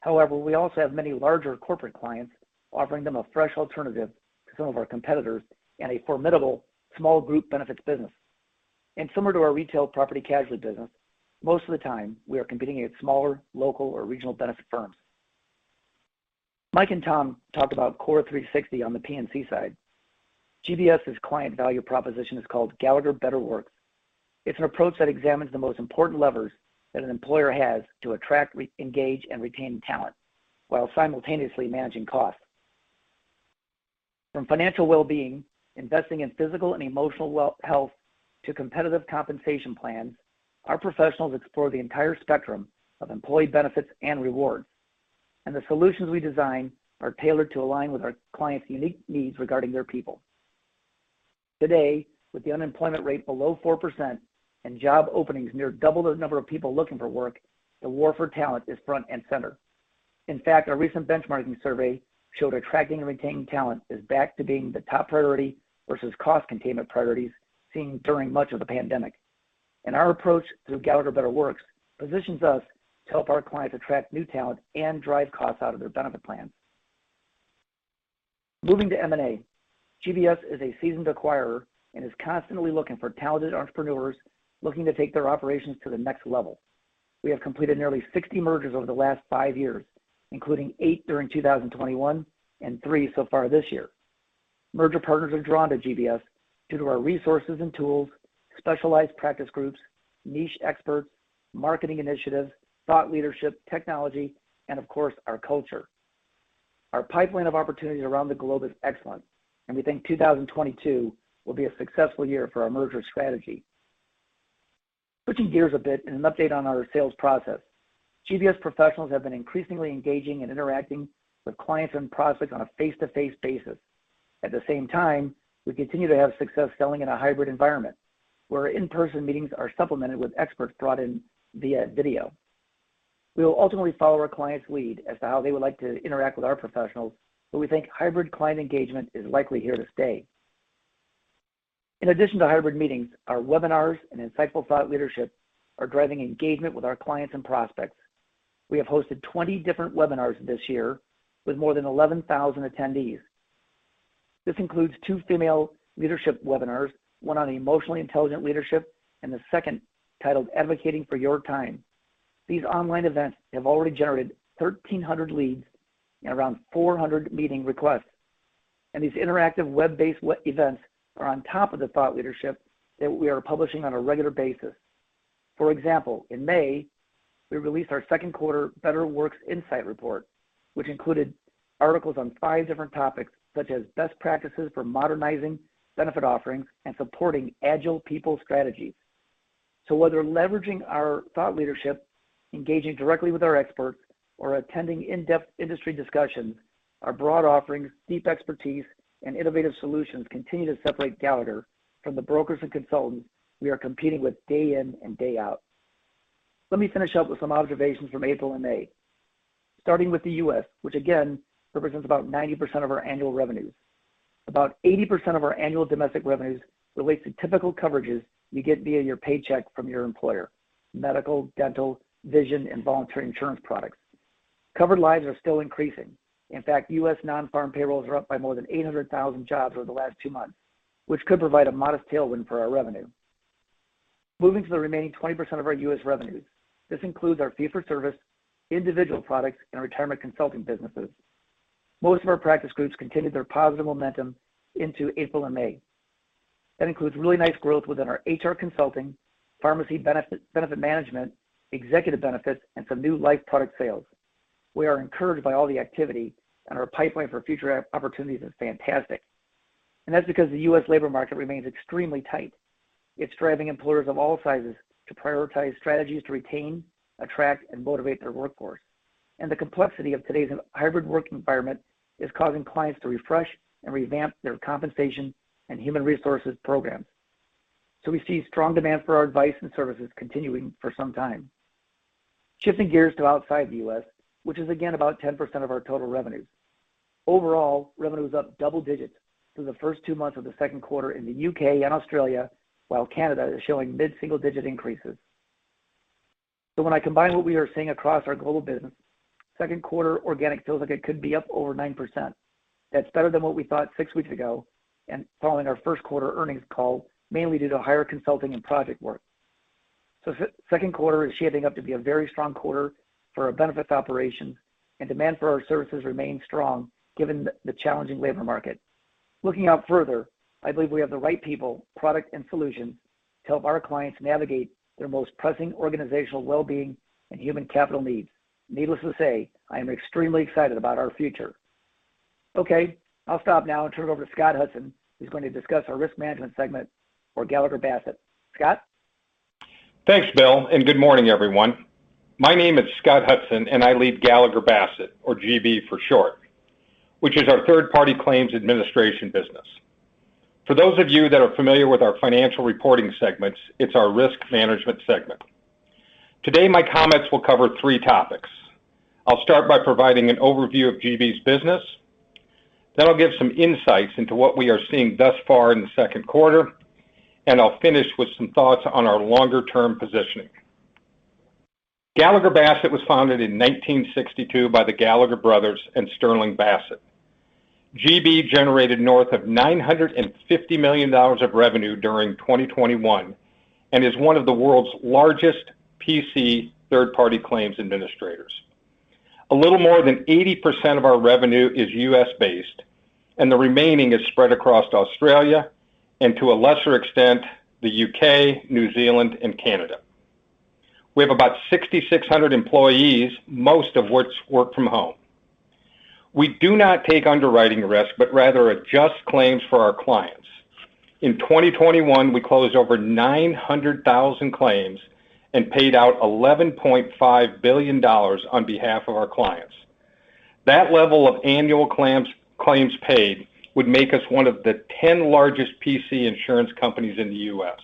However, we also have many larger corporate clients offering them a fresh alternative to some of our competitors and a formidable small group benefits business. Similar to our retail property casualty business, most of the time, we are competing against smaller, local, or regional benefit firms. Michael and Thomas talked about CORE360 on the P&C side. GBS's client value proposition is called Gallagher Better Works. It's an approach that examines the most important levers that an employer has to attract, engage, and retain talent while simultaneously managing costs. From financial well-being, investing in physical and emotional well-being to competitive compensation plans, our professionals explore the entire spectrum of employee benefits and rewards. The solutions we design are tailored to align with our clients' unique needs regarding their people. Today, with the unemployment rate below 4% and job openings near double the number of people looking for work, the war for talent is front and center. In fact, our recent benchmarking survey showed attracting and retaining talent is back to being the top priority versus cost containment priorities seen during much of the pandemic. Our approach through Gallagher BetterWorks positions us to help our clients attract new talent and drive costs out of their benefit plans. Moving to M&A, GBS is a seasoned acquirer and is constantly looking for talented entrepreneurs looking to take their operations to the next level. We have completed nearly 60 mergers over the last five years, including eight during 2021 and three so far this year. Merger partners are drawn to GBS due to our resources and tools, specialized practice groups, niche experts, marketing initiatives, thought leadership, technology, and of course, our culture. Our pipeline of opportunities around the globe is excellent, and we think 2022 will be a successful year for our merger strategy. Switching gears a bit, an update on our sales process. GBS professionals have been increasingly engaging and interacting with clients and prospects on a face-to-face basis. At the same time, we continue to have success selling in a hybrid environment where in-person meetings are supplemented with experts brought in via video. We will ultimately follow our clients' lead as to how they would like to interact with our professionals, but we think hybrid client engagement is likely here to stay. In addition to hybrid meetings, our webinars and insightful thought leadership are driving engagement with our clients and prospects. We have hosted 20 different webinars this year with more than 11,000 attendees. This includes two female leadership webinars, one on emotionally intelligent leadership and the second titled Advocating for Your Time. These online events have already generated 1,300 leads and around 400 meeting requests, and these interactive web-based web events are on top of the thought leadership that we are publishing on a regular basis. For example, in May, we released our second quarter Better Works Insights Report, which included articles on five different topics, such as best practices for modernizing benefit offerings and supporting agile people strategies. Whether leveraging our thought leadership, engaging directly with our experts, or attending in-depth industry discussions, our broad offerings, deep expertise, and innovative solutions continue to separate Gallagher from the brokers and consultants we are competing with day in and day out. Let me finish up with some observations from April and May, starting with the U.S., which again represents about 90% of our annual revenues. About 80% of our annual domestic revenues relate to typical coverages you get via your paycheck from your employer. Medical, dental, vision, and voluntary insurance products. Covered lives are still increasing. In fact, U.S. non-farm payrolls are up by more than 800,000 jobs over the last two months, which could provide a modest tailwind for our revenue. Moving to the remaining 20% of our U.S. revenues. This includes our fee-for-service, individual products, and retirement consulting businesses. Most of our practice groups continued their positive momentum into April and May. That includes really nice growth within our HR consulting, pharmacy benefit management, executive benefits, and some new life product sales. We are encouraged by all the activity and our pipeline for future opportunities is fantastic. That's because the U.S. labor market remains extremely tight. It's driving employers of all sizes to prioritize strategies to retain, attract, and motivate their workforce. The complexity of today's hybrid work environment is causing clients to refresh and revamp their compensation and human resources programs. We see strong demand for our advice and services continuing for some time. Shifting gears to outside the U.S., which is again about 10% of our total revenues. Overall, revenue is up double digits through the first two months of the second quarter in the U.K. and Australia, while Canada is showing mid-single-digit increases. When I combine what we are seeing across our global business, second quarter organic feels like it could be up over 9%. That's better than what we thought six weeks ago and following our first quarter earnings call, mainly due to higher consulting and project work. Second quarter is shaping up to be a very strong quarter for our benefits operation, and demand for our services remains strong given the challenging labor market. Looking out further, I believe we have the right people, product, and solutions to help our clients navigate their most pressing organizational well-being and human capital needs. Needless to say, I am extremely excited about our future. Okay, I'll stop now and turn it over to Scott Hudson, who's going to discuss our risk management segment for Gallagher Bassett. Scott? Thanks, Bill, and good morning, everyone. My name is Scott Hudson, and I lead Gallagher Bassett, or GB for short, which is our third-party claims administration business. For those of you that are familiar with our financial reporting segments, it's our risk management segment. Today, my comments will cover three topics. I'll start by providing an overview of GB's business, then I'll give some insights into what we are seeing thus far in the second quarter, and I'll finish with some thoughts on our longer-term positioning. Gallagher Bassett was founded in 1962 by the Gallagher brothers and Sterling Bassett. GB generated north of $950 million of revenue during 2021 and is one of the world's largest PC third-party claims administrators. A little more than 80% of our revenue is U.S.-based, and the remaining is spread across Australia and to a lesser extent, the U.K., New Zealand, and Canada. We have about 6,600 employees, most of which work from home. We do not take underwriting risk, but rather adjust claims for our clients. In 2021, we closed over 900,000 claims and paid out $11.5 billion on behalf of our clients. That level of annual claims paid would make us one of the 10 largest PC insurance companies in the U.S.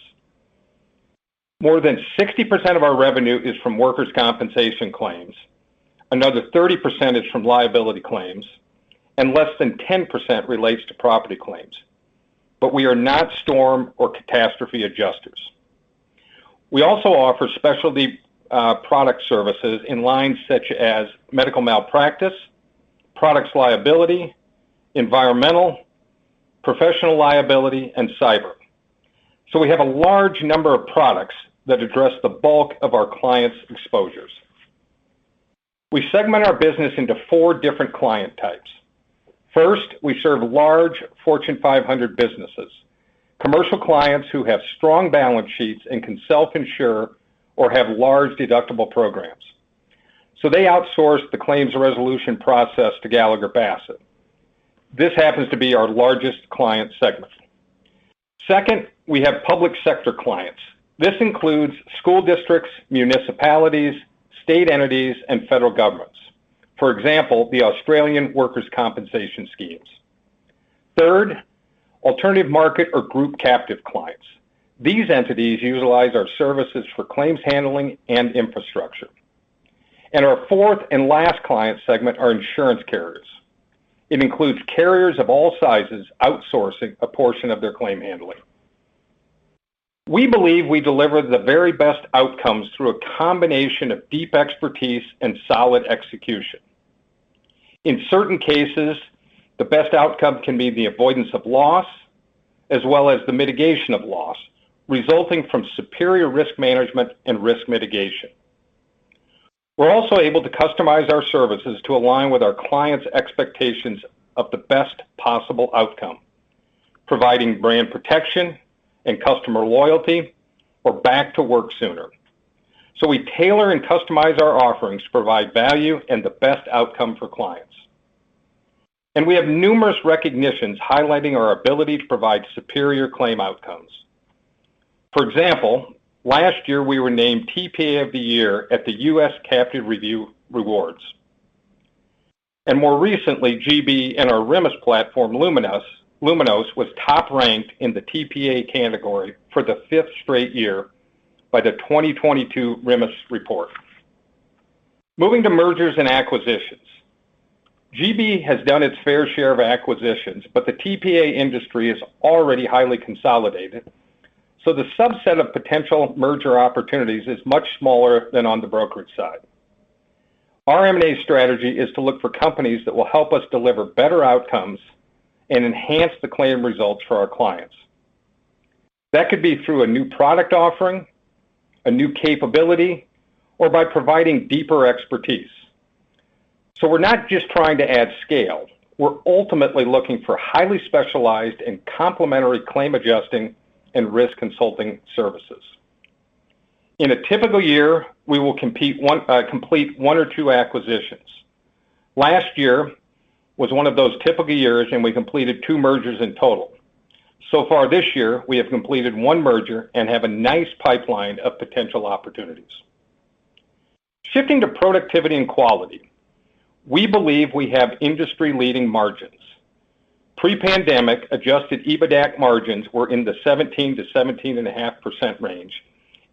More than 60% of our revenue is from workers' compensation claims, another 30% is from liability claims, and less than 10% relates to property claims. We are not storm or catastrophe adjusters. We also offer specialty product services in lines such as medical malpractice, products liability, environmental, professional liability, and cyber. We have a large number of products that address the bulk of our clients' exposures. We segment our business into four different client types. First, we serve large Fortune 500 businesses, commercial clients who have strong balance sheets and can self-insure or have large deductible programs. They outsource the claims resolution process to Gallagher Bassett. This happens to be our largest client segment. Second, we have public sector clients. This includes school districts, municipalities, state entities, and federal governments, for example, the Australian workers' compensation schemes. Third, alternative market or group captive clients. These entities utilize our services for claims handling and infrastructure. Our fourth and last client segment are insurance carriers. It includes carriers of all sizes outsourcing a portion of their claim handling. We believe we deliver the very best outcomes through a combination of deep expertise and solid execution. In certain cases, the best outcome can be the avoidance of loss, as well as the mitigation of loss, resulting from superior risk management and risk mitigation. We're also able to customize our services to align with our clients' expectations of the best possible outcome, providing brand protection and customer loyalty or back to work sooner. We tailor and customize our offerings to provide value and the best outcome for clients. We have numerous recognitions highlighting our ability to provide superior claim outcomes. For example, last year, we were named TPA of the Year at the US Captive Review Awards. More recently, GB and our RMIS platform, Luminos, was top-ranked in the TPA category for the fifth straight year by the 2022 RMIS report. Moving to mergers and acquisitions. GB has done its fair share of acquisitions, but the TPA industry is already highly consolidated, so the subset of potential merger opportunities is much smaller than on the brokerage side. Our M&A strategy is to look for companies that will help us deliver better outcomes and enhance the claim results for our clients. That could be through a new product offering, a new capability, or by providing deeper expertise. We're not just trying to add scale, we're ultimately looking for highly specialized and complementary claim adjusting and risk consulting services. In a typical year, we will complete 1 or 2 acquisitions. Last year was one of those typical years, and we completed 2 mergers in total. So far this year, we have completed 1 merger and have a nice pipeline of potential opportunities. Shifting to productivity and quality. We believe we have industry-leading margins. Pre-pandemic adjusted EBITDAC margins were in the 17%-17.5% range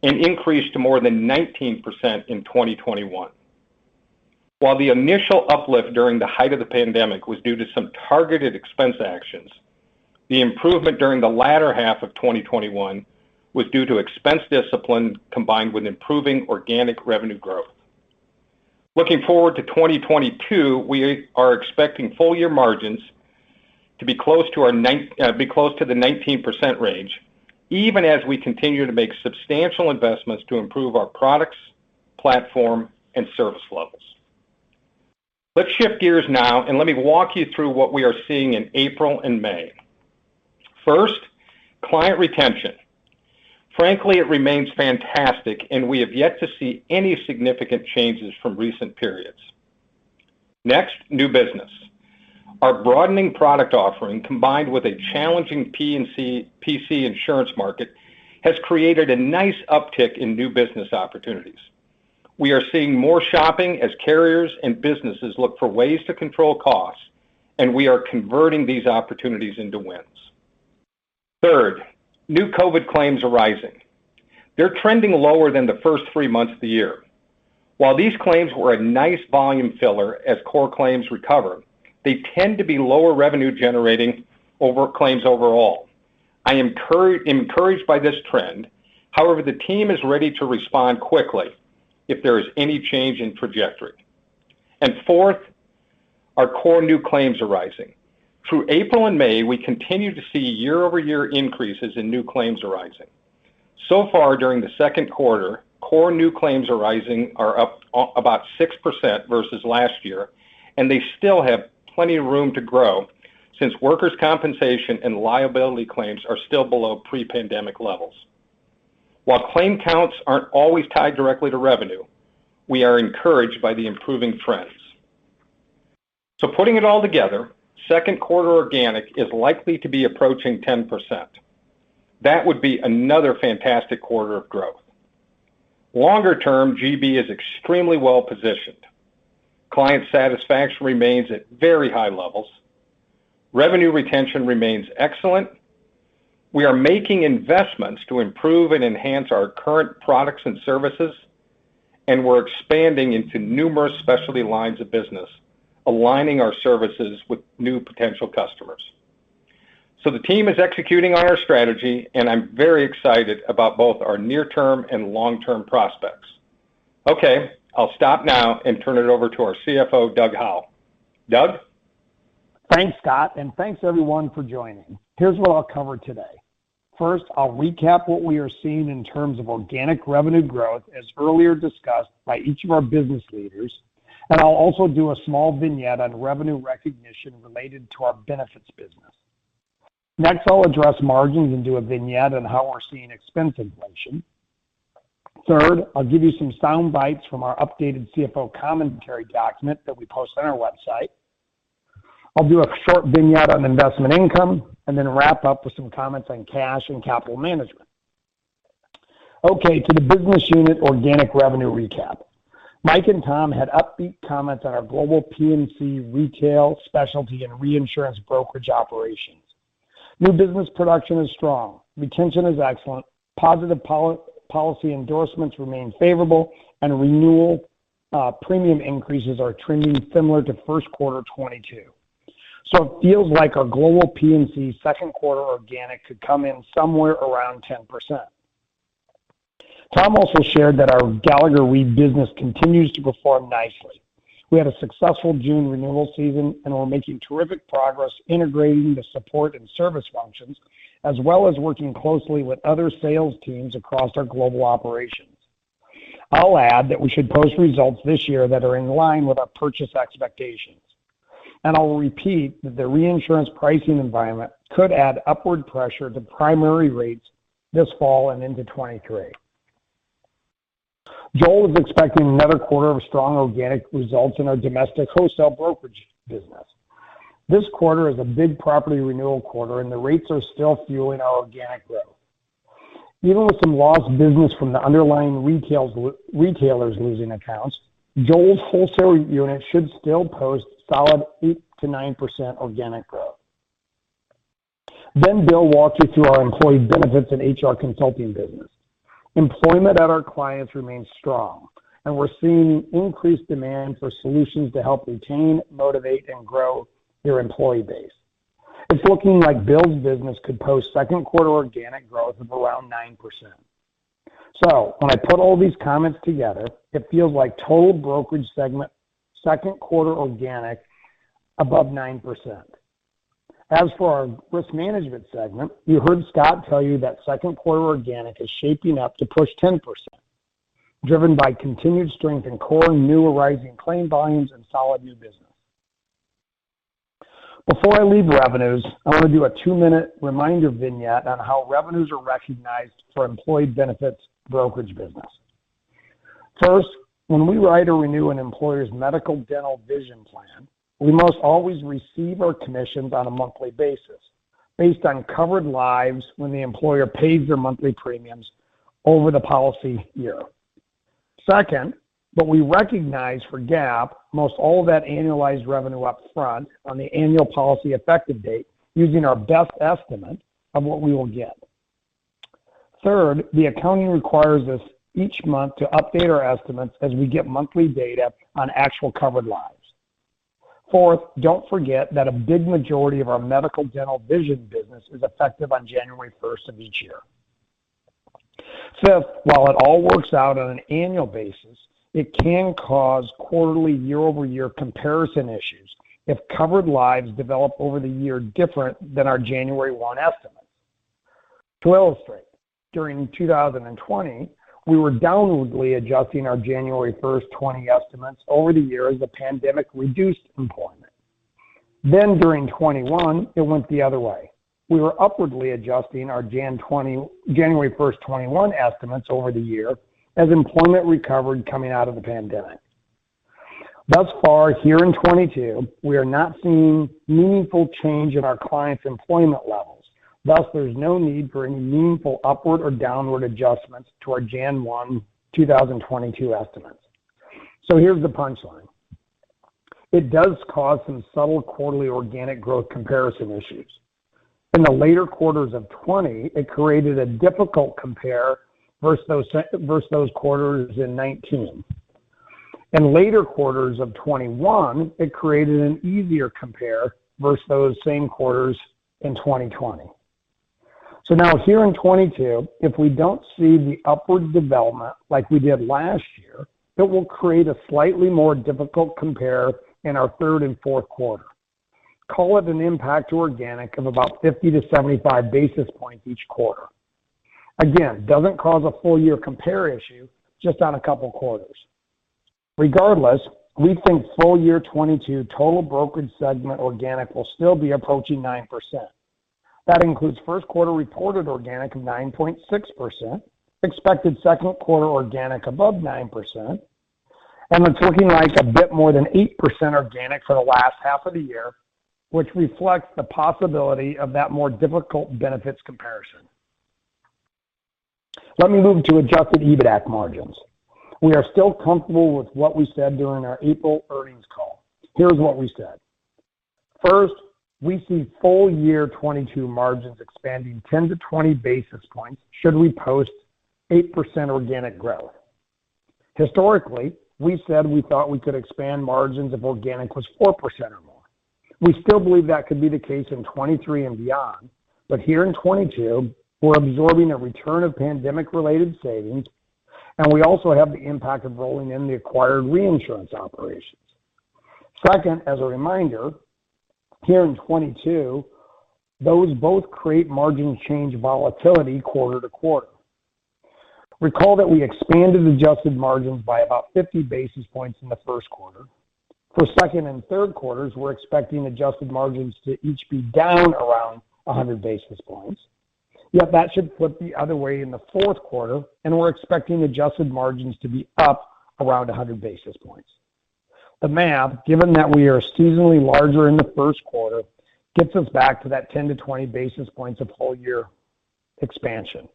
and increased to more than 19% in 2021. While the initial uplift during the height of the pandemic was due to some targeted expense actions, the improvement during the latter half of 2021 was due to expense discipline combined with improving organic revenue growth. Looking forward to 2022, we are expecting full year margins to be close to the 19% range, even as we continue to make substantial investments to improve our products, platform, and service levels. Let's shift gears now and let me walk you through what we are seeing in April and May. First, client retention. Frankly, it remains fantastic, and we have yet to see any significant changes from recent periods. Next, new business. Our broadening product offering, combined with a challenging P&C insurance market, has created a nice uptick in new business opportunities. We are seeing more shopping as carriers and businesses look for ways to control costs, and we are converting these opportunities into wins. Third, new COVID claims arising. They're trending lower than the first three months of the year. While these claims were a nice volume filler as core claims recover, they tend to be lower revenue-generating over claims overall. I am encouraged by this trend. However, the team is ready to respond quickly if there is any change in trajectory. Fourth, our core new claims arising. Through April and May, we continue to see year-over-year increases in new claims arising. So far during the second quarter, core new claims arising are up about 6% versus last year, and they still have plenty of room to grow since workers' compensation and liability claims are still below pre-pandemic levels. While claim counts aren't always tied directly to revenue, we are encouraged by the improving trends. Putting it all together, second quarter organic is likely to be approaching 10%. That would be another fantastic quarter of growth. Longer term, GB is extremely well-positioned. Client satisfaction remains at very high levels. Revenue retention remains excellent. We are making investments to improve and enhance our current products and services, and we're expanding into numerous specialty lines of business, aligning our services with new potential customers. The team is executing on our strategy, and I'm very excited about both our near-term and long-term prospects. Okay, I'll stop now and turn it over to our CFO, Douglas Howell. Douglas? Thanks, Scott, and thanks everyone for joining. Here's what I'll cover today. First, I'll recap what we are seeing in terms of organic revenue growth as earlier discussed by each of our business leaders, and I'll also do a small vignette on revenue recognition related to our benefits business. Next, I'll address margins and do a vignette on how we're seeing expense inflation. Third, I'll give you some sound bites from our updated CFO commentary document that we post on our website. I'll do a short vignette on investment income and then wrap up with some comments on cash and capital management. Okay, to the business unit organic revenue recap. Michael and Thomas had upbeat comments on our global P&C retail, specialty, and reinsurance brokerage operations. New business production is strong. Retention is excellent. Positive policy endorsements remain favorable, and renewal premium increases are trending similar to first quarter 2022. It feels like our global P&C second quarter organic could come in somewhere around 10%. Thomas also shared that our Gallagher Re business continues to perform nicely. We had a successful June renewal season, and we're making terrific progress integrating the support and service functions, as well as working closely with other sales teams across our global operations. I'll add that we should post results this year that are in line with our purchase expectations. I'll repeat that the reinsurance pricing environment could add upward pressure to primary rates this fall and into 2023. Joel is expecting another quarter of strong organic results in our domestic wholesale brokerage business. This quarter is a big property renewal quarter and the rates are still fueling our organic growth. Even with some lost business from the underlying retailers losing accounts, Joel's wholesale unit should still post solid 8%-9% organic growth. Bill walked you through our employee benefits and HR consulting business. Employment at our clients remains strong, and we're seeing increased demand for solutions to help retain, motivate, and grow their employee base. It's looking like Bill's business could post second quarter organic growth of around 9%. When I put all these comments together, it feels like total brokerage segment second quarter organic above 9%. As for our risk management segment, you heard Scott tell you that second quarter organic is shaping up to push 10%, driven by continued strength in core and new arising claim volumes and solid new business. Before I leave revenues, I want to do a 2-minute reminder vignette on how revenues are recognized for employee benefits brokerage business. First, when we write or renew an employer's medical, dental, vision plan, we must always receive our commissions on a monthly basis based on covered lives when the employer pays their monthly premiums over the policy year. Second, we recognize for GAAP most all of that annualized revenue up front on the annual policy effective date using our best estimate of what we will get. Third, the accounting requires us each month to update our estimates as we get monthly data on actual covered lives. Fourth, don't forget that a big majority of our medical, dental, vision business is effective on January first of each year. Fifth, while it all works out on an annual basis, it can cause quarterly year-over-year comparison issues if covered lives develop over the year different than our January 1, 2020 estimates. To illustrate, during 2020, we were downwardly adjusting our January 1, 2020 estimates over the year as the pandemic reduced employment. During 2021, it went the other way. We were upwardly adjusting our January 1, 2021 estimates over the year as employment recovered coming out of the pandemic. Thus far here in 2022, we are not seeing meaningful change in our clients' employment levels, thus there's no need for any meaningful upward or downward adjustments to our January 1, 2022 estimates. Here's the punchline. It does cause some subtle quarterly organic growth comparison issues. In the later quarters of 2020, it created a difficult compare versus those quarters in 2019. In later quarters of 2021, it created an easier compare versus those same quarters in 2020. Now here in 2022, if we don't see the upward development like we did last year, it will create a slightly more difficult compare in our third and fourth quarter. Call it an impact to organic of about 50-75 basis points each quarter. Again, doesn't cause a full-year compare issue, just on a couple quarters. Regardless, we think full year 2022 total brokerage segment organic will still be approaching 9%. That includes first quarter reported organic of 9.6%, expected second quarter organic above 9%, and it's looking like a bit more than 8% organic for the last half of the year, which reflects the possibility of that more difficult benefits comparison. Let me move to adjusted EBITAC margins. We are still comfortable with what we said during our April earnings call. Here's what we said. First, we see full year 2022 margins expanding 10-20 basis points should we post 8% organic growth. Historically, we said we thought we could expand margins if organic was 4% or more. We still believe that could be the case in 2023 and beyond. Here in 2022, we're absorbing a return of pandemic-related savings, and we also have the impact of rolling in the acquired reinsurance operations. Second, as a reminder, here in 2022, those both create margin change volatility quarter to quarter. Recall that we expanded adjusted margins by about 50 basis points in the first quarter. For second and third quarters, we're expecting adjusted margins to each be down around 100 basis points. Yet that should flip the other way in the fourth quarter, and we're expecting adjusted margins to be up around 100 basis points. The math, given that we are seasonally larger in the first quarter, gets us back to that 10-20 basis points of whole year expansion.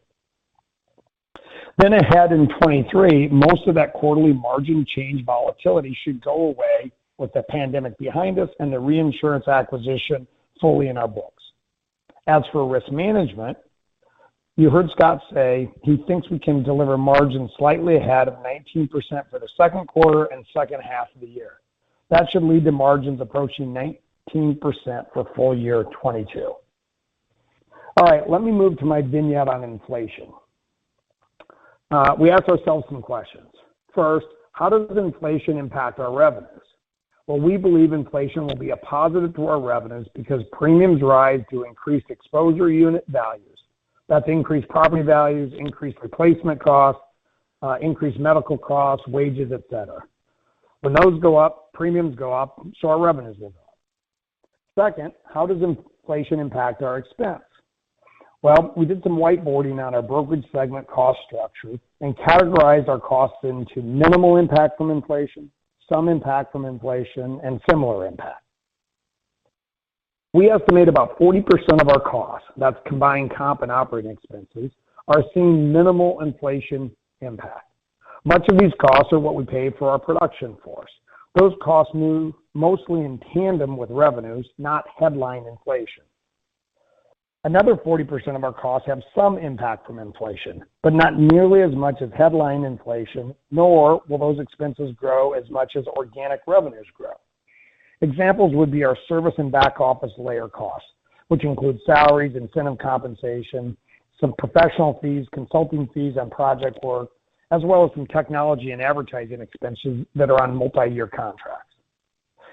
Ahead in 2023, most of that quarterly margin change volatility should go away with the pandemic behind us and the reinsurance acquisition fully in our books. As for risk management, you heard Scott say he thinks we can deliver margins slightly ahead of 19% for the second quarter and second half of the year. That should lead to margins approaching 19% for full year 2022. All right, let me move to my vignette on inflation. We ask ourselves some questions. First, how does inflation impact our revenues? Well, we believe inflation will be a positive to our revenues because premiums rise to increase exposure unit values. That's increased property values, increased replacement costs, increased medical costs, wages, et cetera. When those go up, premiums go up, so our revenues will go up. Second, how does inflation impact our expense? Well, we did some whiteboarding on our brokerage segment cost structure and categorized our costs into minimal impact from inflation, some impact from inflation, and similar impact. We estimate about 40% of our costs, that's combined comp and operating expenses, are seeing minimal inflation impact. Much of these costs are what we pay for our production force. Those costs move mostly in tandem with revenues, not headline inflation. Another 40% of our costs have some impact from inflation, but not nearly as much as headline inflation, nor will those expenses grow as much as organic revenues grow. Examples would be our service and back office layer costs, which include salaries, incentive compensation, some professional fees, consulting fees on project work, as well as some technology and advertising expenses that are on multiyear contracts.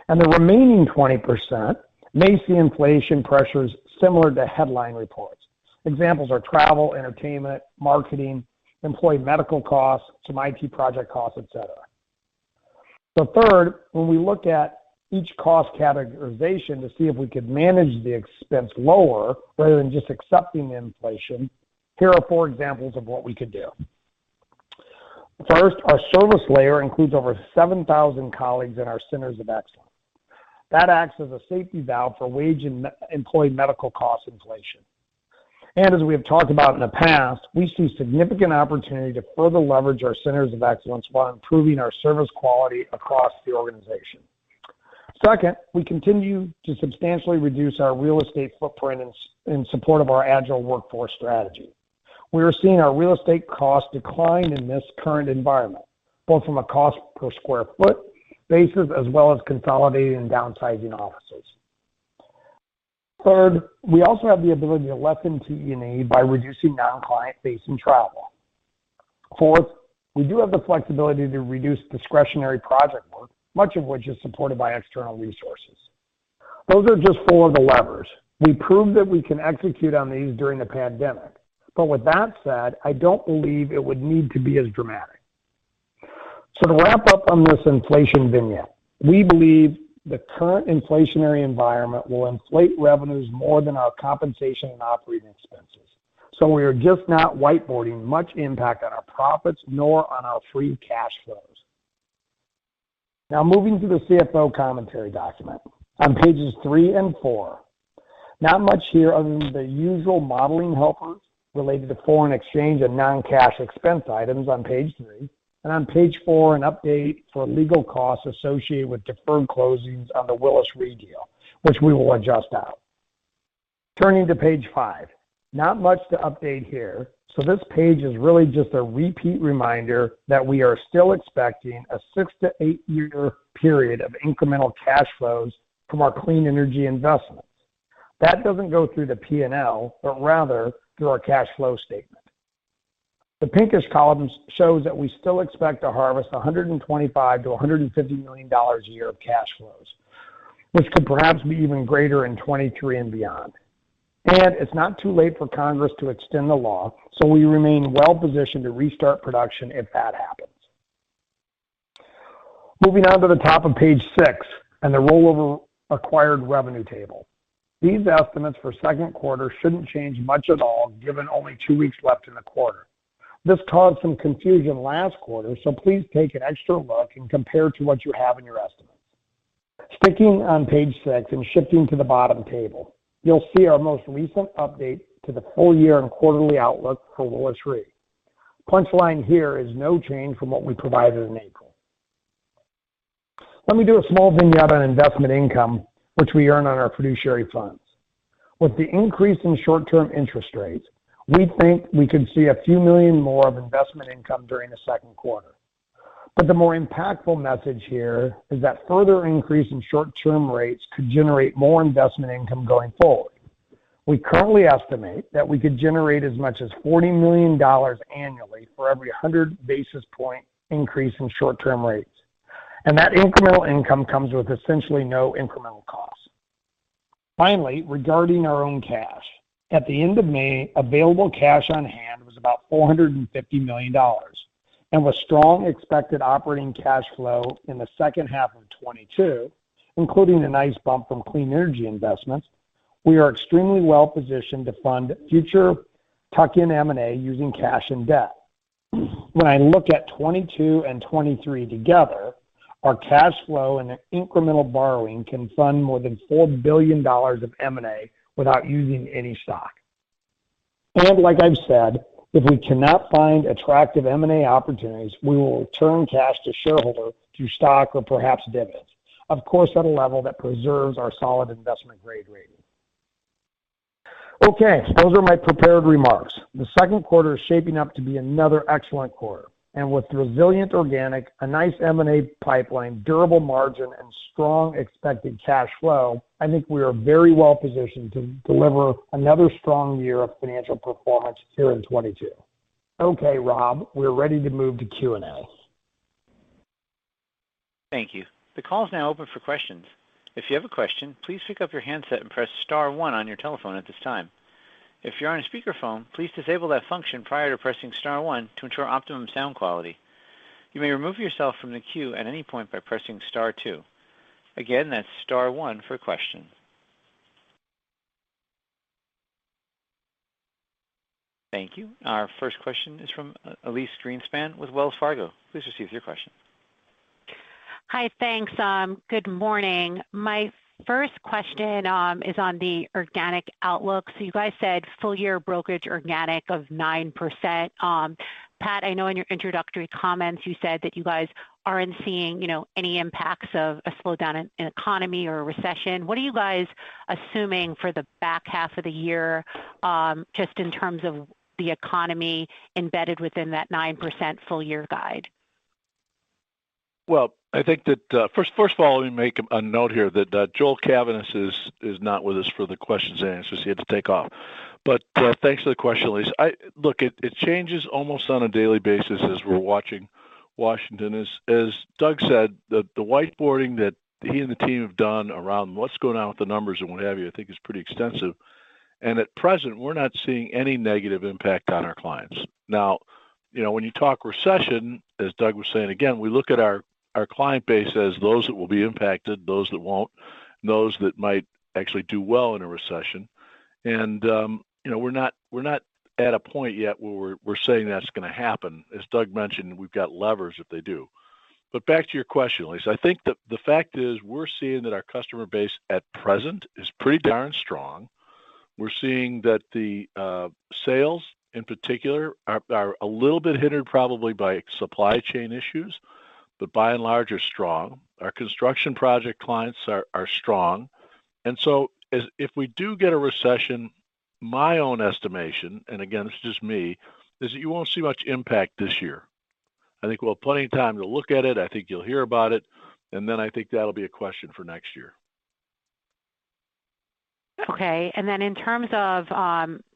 The remaining 20% may see inflation pressures similar to headline reports. Examples are travel, entertainment, marketing, employee medical costs, some IT project costs, et cetera. Third, when we looked at each cost categorization to see if we could manage the expense lower rather than just accepting the inflation, here are four examples of what we could do. First, our service layer includes over 7,000 colleagues in our centers of excellence. That acts as a safety valve for wage and employee medical cost inflation. As we have talked about in the past, we see significant opportunity to further leverage our centers of excellence while improving our service quality across the organization. Second, we continue to substantially reduce our real estate footprint in support of our agile workforce strategy. We are seeing our real estate costs decline in this current environment, both from a cost per square foot basis as well as consolidating and downsizing offices. Third, we also have the ability to lessen T&E by reducing non-client-facing travel. Fourth, we do have the flexibility to reduce discretionary project work, much of which is supported by external resources. Those are just 4 of the levers. We proved that we can execute on these during the pandemic. With that said, I don't believe it would need to be as dramatic. To wrap up on this inflation vignette, we believe the current inflationary environment will inflate revenues more than our compensation and operating expenses. We are just not whiteboarding much impact on our profits nor on our free cash flows. Now moving to the CFO commentary document on pages 3 and 4. Not much here other than the usual modeling helpers related to foreign exchange and non-cash expense items on page 3. On page 4, an update for legal costs associated with deferred closings on the Willis Re deal, which we will adjust out. Turning to page five. Not much to update here, so this page is really just a repeat reminder that we are still expecting a 6- to 8-year period of incremental cash flows from our clean energy investments. That doesn't go through the P&L, but rather through our cash flow statement. The pinkish column shows that we still expect to harvest $125 million-$150 million a year of cash flows, which could perhaps be even greater in 2023 and beyond. It's not too late for Congress to extend the law, so we remain well-positioned to restart production if that happens. Moving on to the top of page six and the rollover acquired revenue table. These estimates for second quarter shouldn't change much at all, given only two weeks left in the quarter. This caused some confusion last quarter, so please take an extra look and compare to what you have in your estimate. Sticking on page six and shifting to the bottom table, you'll see our most recent update to the full year and quarterly outlook for Willis Re. Punch line here is no change from what we provided in April. Let me do a small vignette on investment income, which we earn on our fiduciary funds. With the increase in short-term interest rates, we think we could see $ a few million more of investment income during the second quarter. The more impactful message here is that further increase in short-term rates could generate more investment income going forward. We currently estimate that we could generate as much as $40 million annually for every 100 basis points increase in short-term rates, and that incremental income comes with essentially no incremental cost. Finally, regarding our own cash. At the end of May, available cash on hand was about $450 million. With strong expected operating cash flow in the second half of 2022, including a nice bump from clean energy investments, we are extremely well positioned to fund future tuck-in M&A using cash and debt. When I look at 2022 and 2023 together, our cash flow and incremental borrowing can fund more than $4 billion of M&A without using any stock. Like I've said, if we cannot find attractive M&A opportunities, we will return cash to shareholder through stock or perhaps dividends. Of course, at a level that preserves our solid investment grade rating. Okay, those are my prepared remarks. The second quarter is shaping up to be another excellent quarter. With resilient organic, a nice M&A pipeline, durable margin, and strong expected cash flow, I think we are very well positioned to deliver another strong year of financial performance here in 2022. Okay, Rob, we're ready to move to Q&A. Thank you. The call is now open for questions. If you have a question, please pick up your handset and press star one on your telephone at this time. If you're on a speakerphone, please disable that function prior to pressing star one to ensure optimum sound quality. You may remove yourself from the queue at any point by pressing star two. Again, that's star one for questions. Thank you. Our first question is from Elyse Greenspan with Wells Fargo. Please proceed with your question. Hi. Thanks. Good morning. My first question is on the organic outlook. You guys said full-year brokerage organic of 9%. Patrick, I know in your introductory comments you said that you guys aren't seeing, you know, any impacts of a slowdown in economy or a recession. What are you guys assuming for the back half of the year, just in terms of the economy embedded within that 9% full year guide? Well, I think that first of all, let me make a note here that Joel Cavaness is not with us for the questions and answers. He had to take off. Thanks for the question, Elyse. Look, it changes almost on a daily basis as we're watching Washington. As Douglas said, the whiteboarding that he and the team have done around what's going on with the numbers and what have you, I think is pretty extensive. At present, we're not seeing any negative impact on our clients. Now, you know, when you talk recession, as Douglas was saying again, we look at our client base as those that will be impacted, those that won't, those that might actually do well in a recession. You know, we're not at a point yet where we're saying that's going to happen. As Douglas mentioned, we've got levers if they do. Back to your question, Elise. I think the fact is we're seeing that our customer base at present is pretty darn strong. We're seeing that the sales in particular are a little bit hindered probably by supply chain issues, but by and large are strong. Our construction project clients are strong. If we do get a recession, my own estimation, and again, it's just me, is that you won't see much impact this year. I think we'll have plenty of time to look at it. I think you'll hear about it, and then I think that'll be a question for next year. Okay. In terms of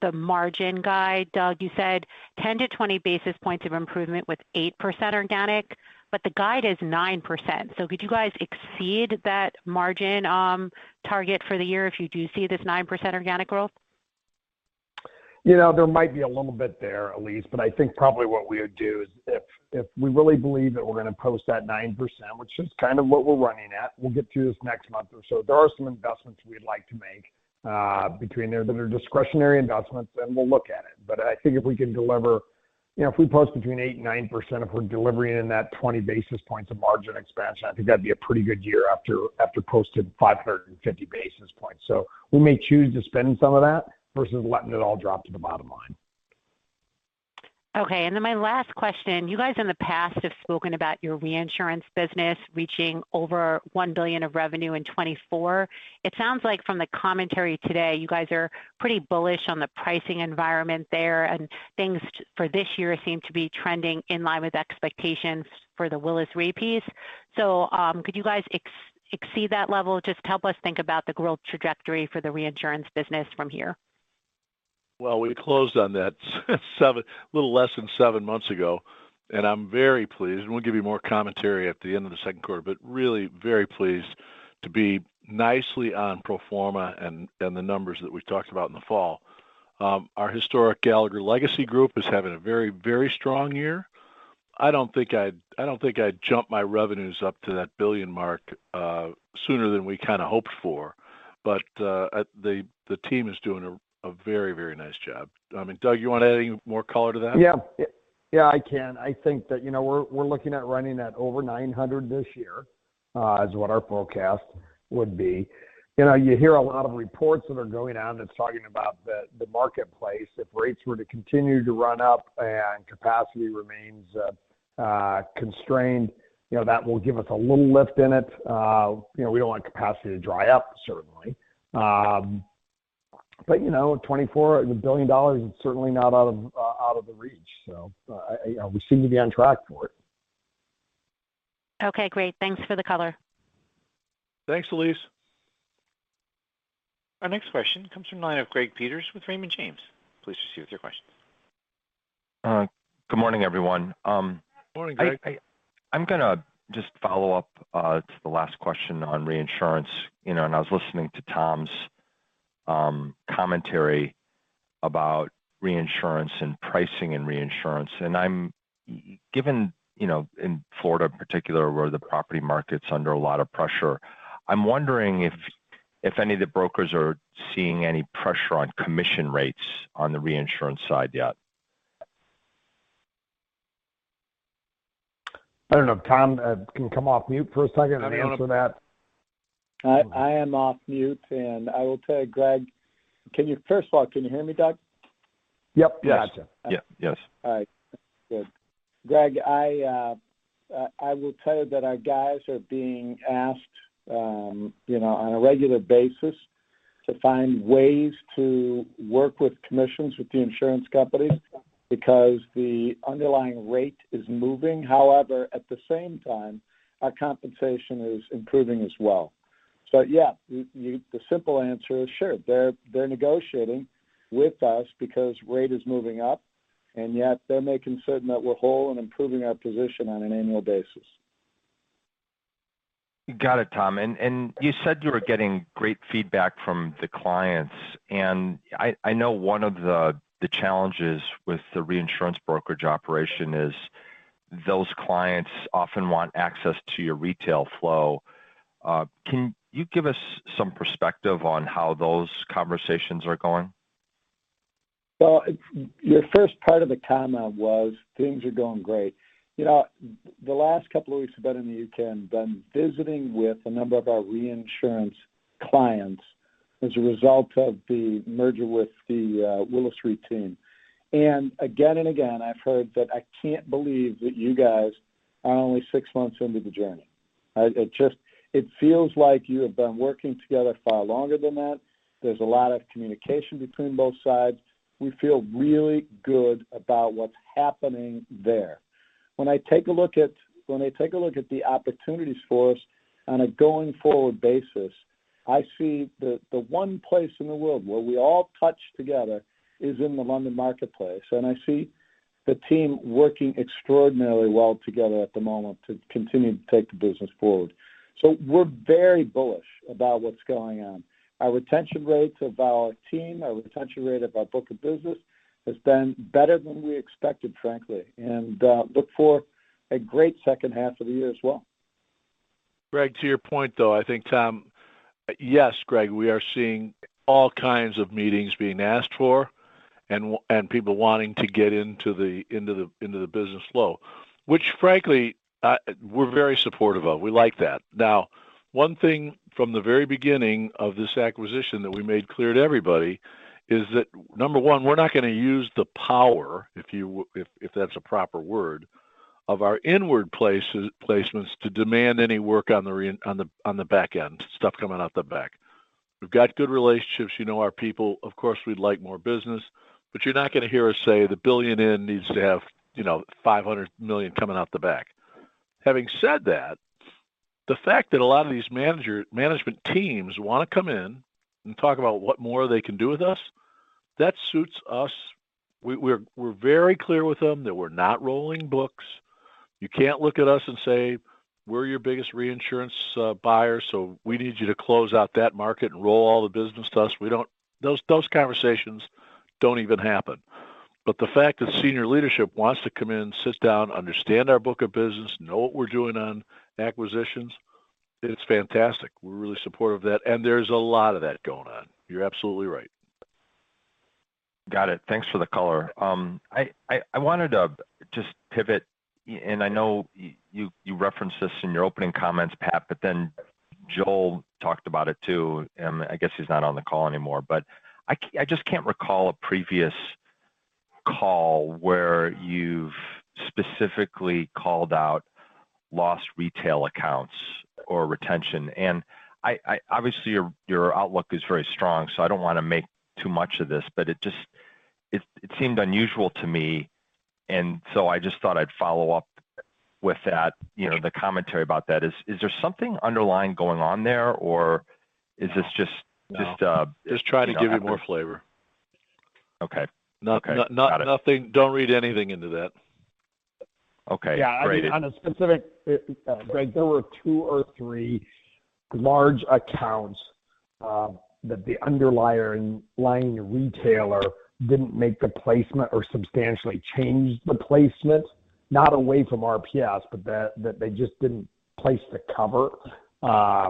the margin guide, Douglas, you said 10-20 basis points of improvement with 8% organic, but the guide is 9%. Could you guys exceed that margin target for the year if you do see this 9% organic growth? You know, there might be a little bit there, Elyse, but I think probably what we would do is if we really believe that we're going to post that 9%, which is kind of what we're running at, we'll get to this next month or so. There are some investments we'd like to make between there that are discretionary investments, and we'll look at it. But I think if we can deliver. You know, if we post between 8% and 9%, if we're delivering in that 20 basis points of margin expansion, I think that'd be a pretty good year after posting 550 basis points. We may choose to spend some of that versus letting it all drop to the bottom line. Okay. My last question. You guys in the past have spoken about your reinsurance business reaching over $1 billion of revenue in 2024. It sounds like from the commentary today, you guys are pretty bullish on the pricing environment there. Things for this year seem to be trending in line with expectations for the Willis Re piece. Could you guys exceed that level? Just help us think about the growth trajectory for the reinsurance business from here. Well, we closed on that little less than seven months ago, and I'm very pleased. We'll give you more commentary at the end of the second quarter, but really very pleased to be nicely on pro forma and the numbers that we talked about in the fall. Our historic Gallagher legacy group is having a very, very strong year. I don't think I'd jump my revenues up to that billion mark sooner than we kinda hoped for, but the team is doing a very, very nice job. I mean, Douglas, you wanna add any more color to that? Yeah. Yeah, I can. I think that, you know, we're looking at running at over 900 this year, is what our forecast would be. You know, you hear a lot of reports that are going on that's talking about the marketplace. If rates were to continue to run up and capacity remains constrained, you know, that will give us a little lift in it. You know, we don't want capacity to dry up certainly. You know, 2024, $1 billion is certainly not out of the reach. I we seem to be on track for it. Okay, great. Thanks for the color. Thanks, Elyse. Our next question comes from the line of Gregory Peters with Raymond James. Please proceed with your questions. Good morning, everyone. Morning, Gregory. I'm gonna just follow up to the last question on reinsurance, you know, and I was listening to Thomas commentary about reinsurance and pricing and reinsurance, and I'm given, you know, in Florida in particular, where the property market's under a lot of pressure, I'm wondering if any of the brokers are seeing any pressure on commission rates on the reinsurance side yet. I don't know if Thomas can come off mute for a second and answer that. I am off mute, and I will tell you, Gregory. First of all, can you hear me, Douglas? Yep. Yes. Gotcha. Yeah, yes. All right. Good. Gregory, I will tell you that our guys are being asked, you know, on a regular basis to find ways to work with commissions with the insurance companies because the underlying rate is moving. However, at the same time, our compensation is improving as well. Yeah, you the simple answer is sure, they're negotiating with us because rate is moving up, and yet they're making certain that we're whole and improving our position on an annual basis. Got it, Thomas. You said you were getting great feedback from the clients, and I know one of the challenges with the reinsurance brokerage operation is those clients often want access to your retail flow. Can you give us some perspective on how those conversations are going? Well, your first part of the comment was things are going great. You know, the last couple of weeks I've been in the U.K. and been visiting with a number of our reinsurance clients as a result of the merger with the Willis Re team. Again and again, I've heard that I can't believe that you guys are only 6 months into the journey. It just feels like you have been working together far longer than that. There's a lot of communication between both sides. We feel really good about what's happening there. When I take a look at the opportunities for us on a going forward basis, I see the one place in the world where we all touch together is in the London marketplace, and I see the team working extraordinarily well together at the moment to continue to take the business forward. We're very bullish about what's going on. Our retention rates of our team, our retention rate of our book of business has been better than we expected, frankly. Look for a great second half of the year as well. Gregory, to your point, though, I think, Thomas. Yes, Gregory, we are seeing all kinds of meetings being asked for and people wanting to get into the business flow, which frankly, we're very supportive of. We like that. Now, one thing from the very beginning of this acquisition that we made clear to everybody is that, number one, we're not gonna use the power, if that's a proper word, of our inward placements to demand any work on the back end, stuff coming out the back. We've got good relationships. You know our people. Of course we'd like more business, but you're not gonna hear us say the $1 billion in needs to have, you know, $500 million coming out the back. Having said that, the fact that a lot of these management teams wanna come in and talk about what more they can do with us, that suits us. We're very clear with them that we're not rolling books. You can't look at us and say, "We're your biggest reinsurance buyer, so we need you to close out that market and roll all the business to us." We don't. Those conversations don't even happen. The fact that senior leadership wants to come in, sit down, understand our book of business, know what we're doing on acquisitions, it's fantastic. We're really supportive of that, and there's a lot of that going on. You're absolutely right. Got it. Thanks for the color. I wanted to just pivot, and I know you referenced this in your opening comments, Patrick, but then Joel talked about it too, and I guess he's not on the call anymore. I just can't recall a previous call where you've specifically called out lost retail accounts or retention, and obviously your outlook is very strong, so I don't wanna make too much of this, but it just seemed unusual to me, and so I just thought I'd follow up with that, you know, the commentary about that. Is there something underlying going on there, or is this just- No. Just, uh- Just trying to give you more flavor. Okay. Okay. Got it. Nothing. Don't read anything into that. Okay. Yeah. I mean, on a specific, Gregory, there were two or three large accounts that the underlying retailer didn't make the placement or substantially changed the placement, not away from RPS, but that they just didn't place the cover,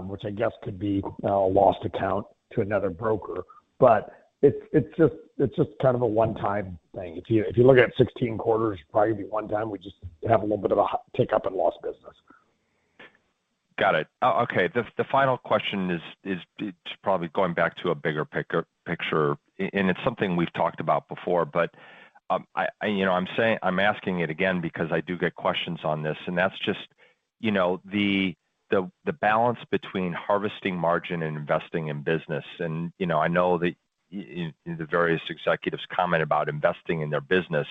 which I guess could be a lost account to another broker. But it's just kind of a one-time thing. If you look at 16 quarters, probably be one time, we just have a little bit of a hiccup in lost business. Got it. Okay, the final question is, it's probably going back to a bigger picture, and it's something we've talked about before, but I, you know, I'm asking it again because I do get questions on this, and that's just, you know, the balance between harvesting margin and investing in business. You know, I know the various executives comment about investing in their business.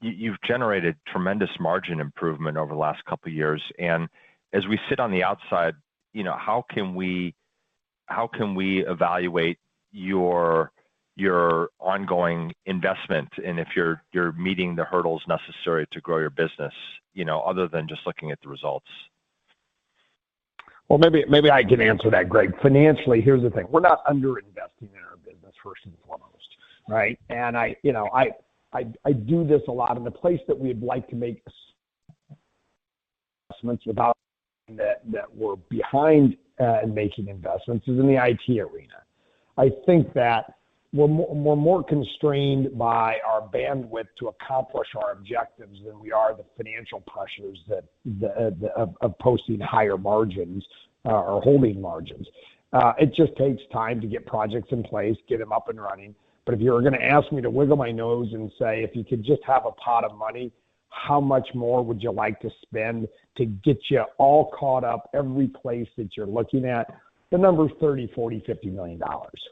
You've generated tremendous margin improvement over the last couple of years. As we sit on the outside, you know, how can we evaluate your ongoing investment and if you're meeting the hurdles necessary to grow your business, you know, other than just looking at the results? Maybe I can answer that, Gregory. Financially, here's the thing. We're not under-investing in our business first and foremost, right? I, you know, do this a lot, and the place that we'd like to make investments that we're behind in making investments is in the IT arena. I think that we're more constrained by our bandwidth to accomplish our objectives than we are the financial pressures of posting higher margins or holding margins. It just takes time to get projects in place, get them up and running. If you're gonna ask me to wiggle my nose and say, "If you could just have a pot of money, how much more would you like to spend to get you all caught up every place that you're looking at?" The number is $30-$50 million.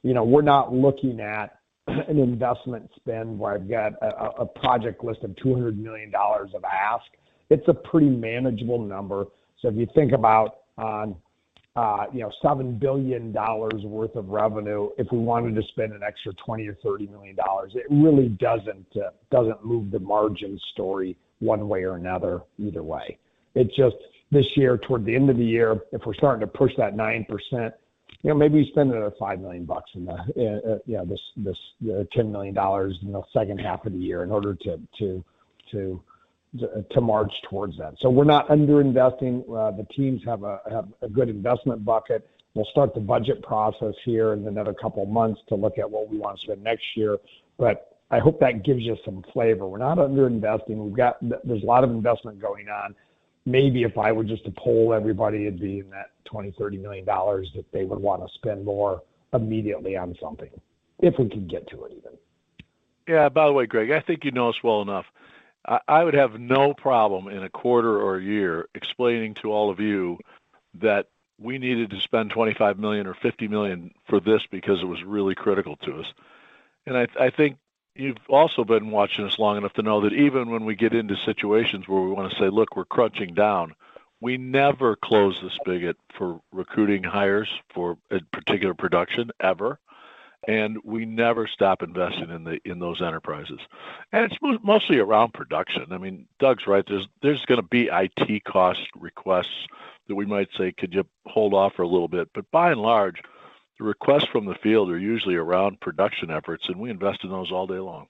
You know, we're not looking at an investment spend where I've got a project list of $200 million of ask. It's a pretty manageable number. If you think about, you know, $7 billion worth of revenue, if we wanted to spend an extra $20 million or $30 million, it really doesn't move the margin story one way or another either way. It's just this year, toward the end of the year, if we're starting to push that 9%, you know, maybe spend another $5 million bucks, $10 million dollars, you know, second half of the year in order to march towards that. We're not under-investing. The teams have a good investment bucket. We'll start the budget process here in another couple of months to look at what we want to spend next year. I hope that gives you some flavor. We're not under-investing. We've got. There's a lot of investment going on. Maybe if I were just to poll everybody, it'd be in that $20-$30 million dollars that they would want to spend more immediately on something, if we could get to it even. Yeah. By the way, Gregory, I think you know us well enough. I would have no problem in a quarter or a year explaining to all of you that we needed to spend $25 million or $50 million for this because it was really critical to us. I think you've also been watching us long enough to know that even when we get into situations where we want to say, "Look, we're crunching down," we never close the spigot for recruiting hires for a particular production ever. We never stop investing in those enterprises. It's mostly around production. I mean, Douglas right. There's gonna be IT cost requests that we might say, "Could you hold off for a little bit?" By and large, the requests from the field are usually around production efforts, and we invest in those all day long.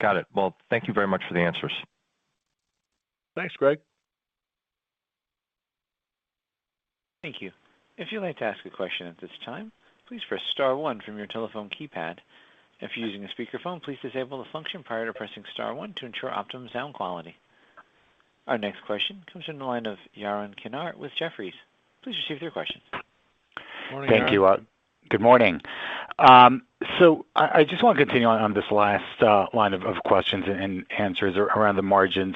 Got it. Well, thank you very much for the answers. Thanks, Gregory. Thank you. If you'd like to ask a question at this time, please press star one from your telephone keypad. If you're using a speakerphone, please disable the function prior to pressing star one to ensure optimum sound quality. Our next question comes from the line of Yaron Kinar with Jefferies. Please proceed with your question. Morning, Yaron. Thank you. Good morning. I just want to continue on this last line of questions and answers around the margin.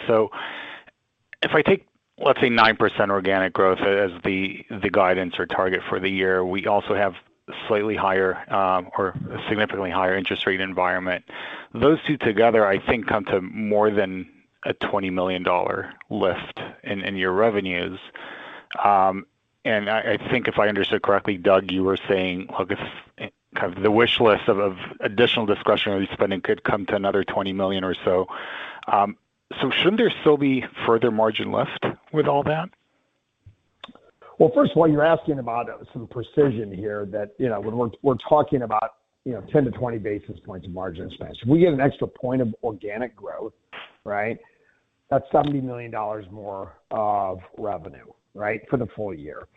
If I take, let's say, 9% organic growth as the guidance or target for the year, we also have slightly higher or a significantly higher interest rate environment. Those two together I think come to more than a $20 million lift in your revenues. I think if I understood correctly, Douglas, you were saying, look, if kind of the wish list of additional discretionary spending could come to another $20 million or so. Shouldn't there still be further margin lift with all that? Well, first of all, you're asking about some precision here that, you know, when we're talking about, you know, 10-20 basis points of margin spend. If we get an extra point of organic growth, right, that's $70 million more of revenue, right, for the full year.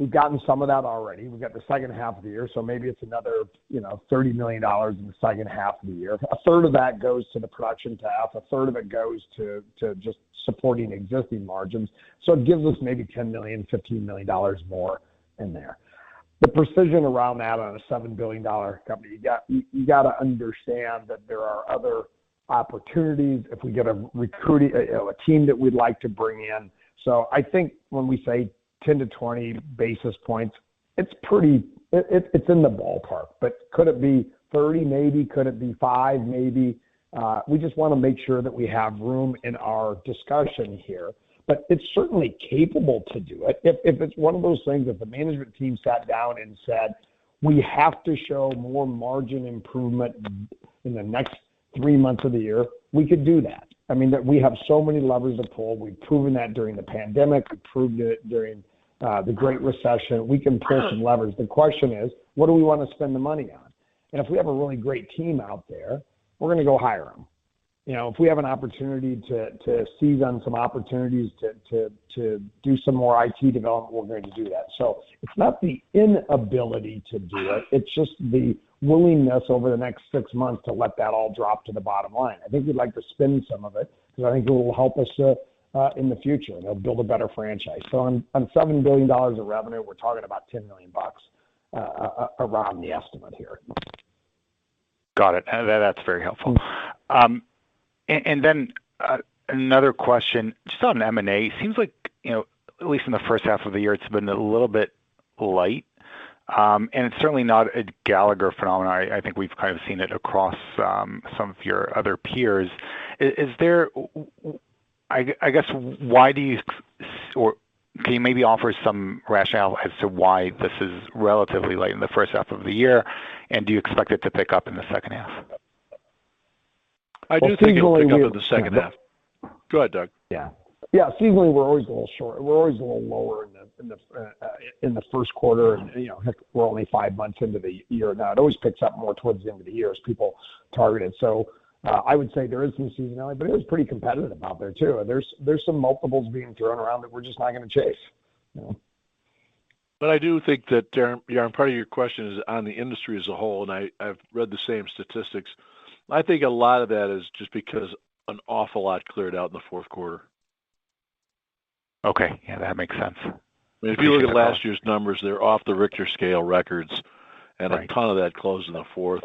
We've gotten some of that already. We've got the second half of the year, so maybe it's another, you know, $30 million in the second half of the year. A third of that goes to the production tab, a third of it goes to just supporting existing margins. It gives us maybe $10 million, $15 million more in there. The precision around that on a $7 billion company, you gotta understand that there are other opportunities if we get an acquisition, a team that we'd like to bring in. I think when we say 10-20 basis points, it's pretty, it's in the ballpark, but could it be 30, maybe? Could it be 5, maybe? We just wanna make sure that we have room in our discussion here, but it's certainly capable to do it. If it's one of those things that the management team sat down and said, "We have to show more margin improvement in the next 3 months of the year," we could do that. I mean, we have so many levers to pull. We've proven that during the pandemic. We proved it during the Great Recession. We can pull some levers. The question is, what do we wanna spend the money on? If we have a really great team out there, we're gonna go hire them. You know, if we have an opportunity to do some more IT development, we're going to do that. It's not the inability to do it's just the willingness over the next six months to let that all drop to the bottom line. I think we'd like to spend some of it because I think it will help us in the future, and it'll build a better franchise. On $7 billion of revenue, we're talking about $10 million around the estimate here. Got it. That's very helpful. Another question just on M&A. It seems like, you know, at least in the first half of the year, it's been a little bit light, and it's certainly not a Gallagher phenomenon. I think we've kind of seen it across some of your other peers. Can you maybe offer some rationale as to why this is relatively light in the first half of the year, and do you expect it to pick up in the second half? I do think it'll pick up in the second half. Seasonally, we Go ahead, Douglas. Yeah. Seasonally, we're always a little short. We're always a little lower in the first quarter and, you know, heck, we're only five months into the year now. It always picks up more towards the end of the year as people target it. I would say there is some seasonality, but it is pretty competitive out there too. There's some multiples being thrown around that we're just not gonna chase. You know? I do think that, Yaron, part of your question is on the industry as a whole, and I've read the same statistics. I think a lot of that is just because an awful lot cleared out in the fourth quarter. Okay. Yeah, that makes sense. If you look at last year's numbers, they're off the Richter scale, records. Right. A ton of that closed in the fourth.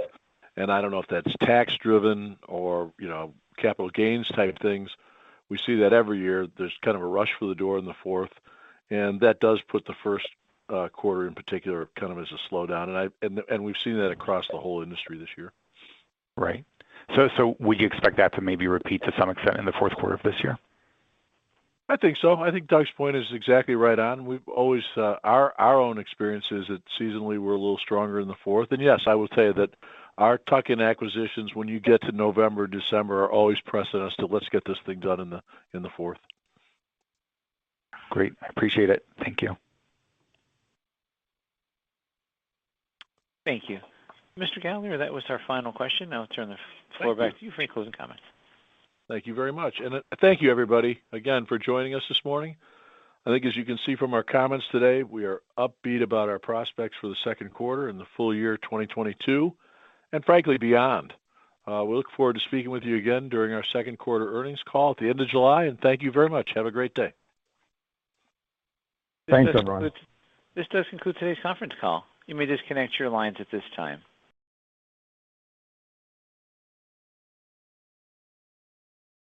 I don't know if that's tax driven or, you know, capital gains type things. We see that every year. There's kind of a rush for the door in the fourth, and that does put the first quarter in particular kind of as a slowdown. We've seen that across the whole industry this year. Right. Would you expect that to maybe repeat to some extent in the fourth quarter of this year? I think so. I think Douglas point is exactly right on. We've always, our own experience is that seasonally we're a little stronger in the fourth. Yes, I will say that our tuck-in acquisitions, when you get to November, December, are always pressing us to let's get this thing done in the fourth. Great. I appreciate it. Thank you. Thank you. Mr. Gallagher, that was our final question. I'll turn the floor back to you for any closing comments. Thank you very much. Thank you, everybody, again, for joining us this morning. I think as you can see from our comments today, we are upbeat about our prospects for the second quarter and the full year 2022, and frankly, beyond. We look forward to speaking with you again during our second quarter earnings call at the end of July, and thank you very much. Have a great day. Thanks, everyone. This does conclude today's conference call. You may disconnect your lines at this time.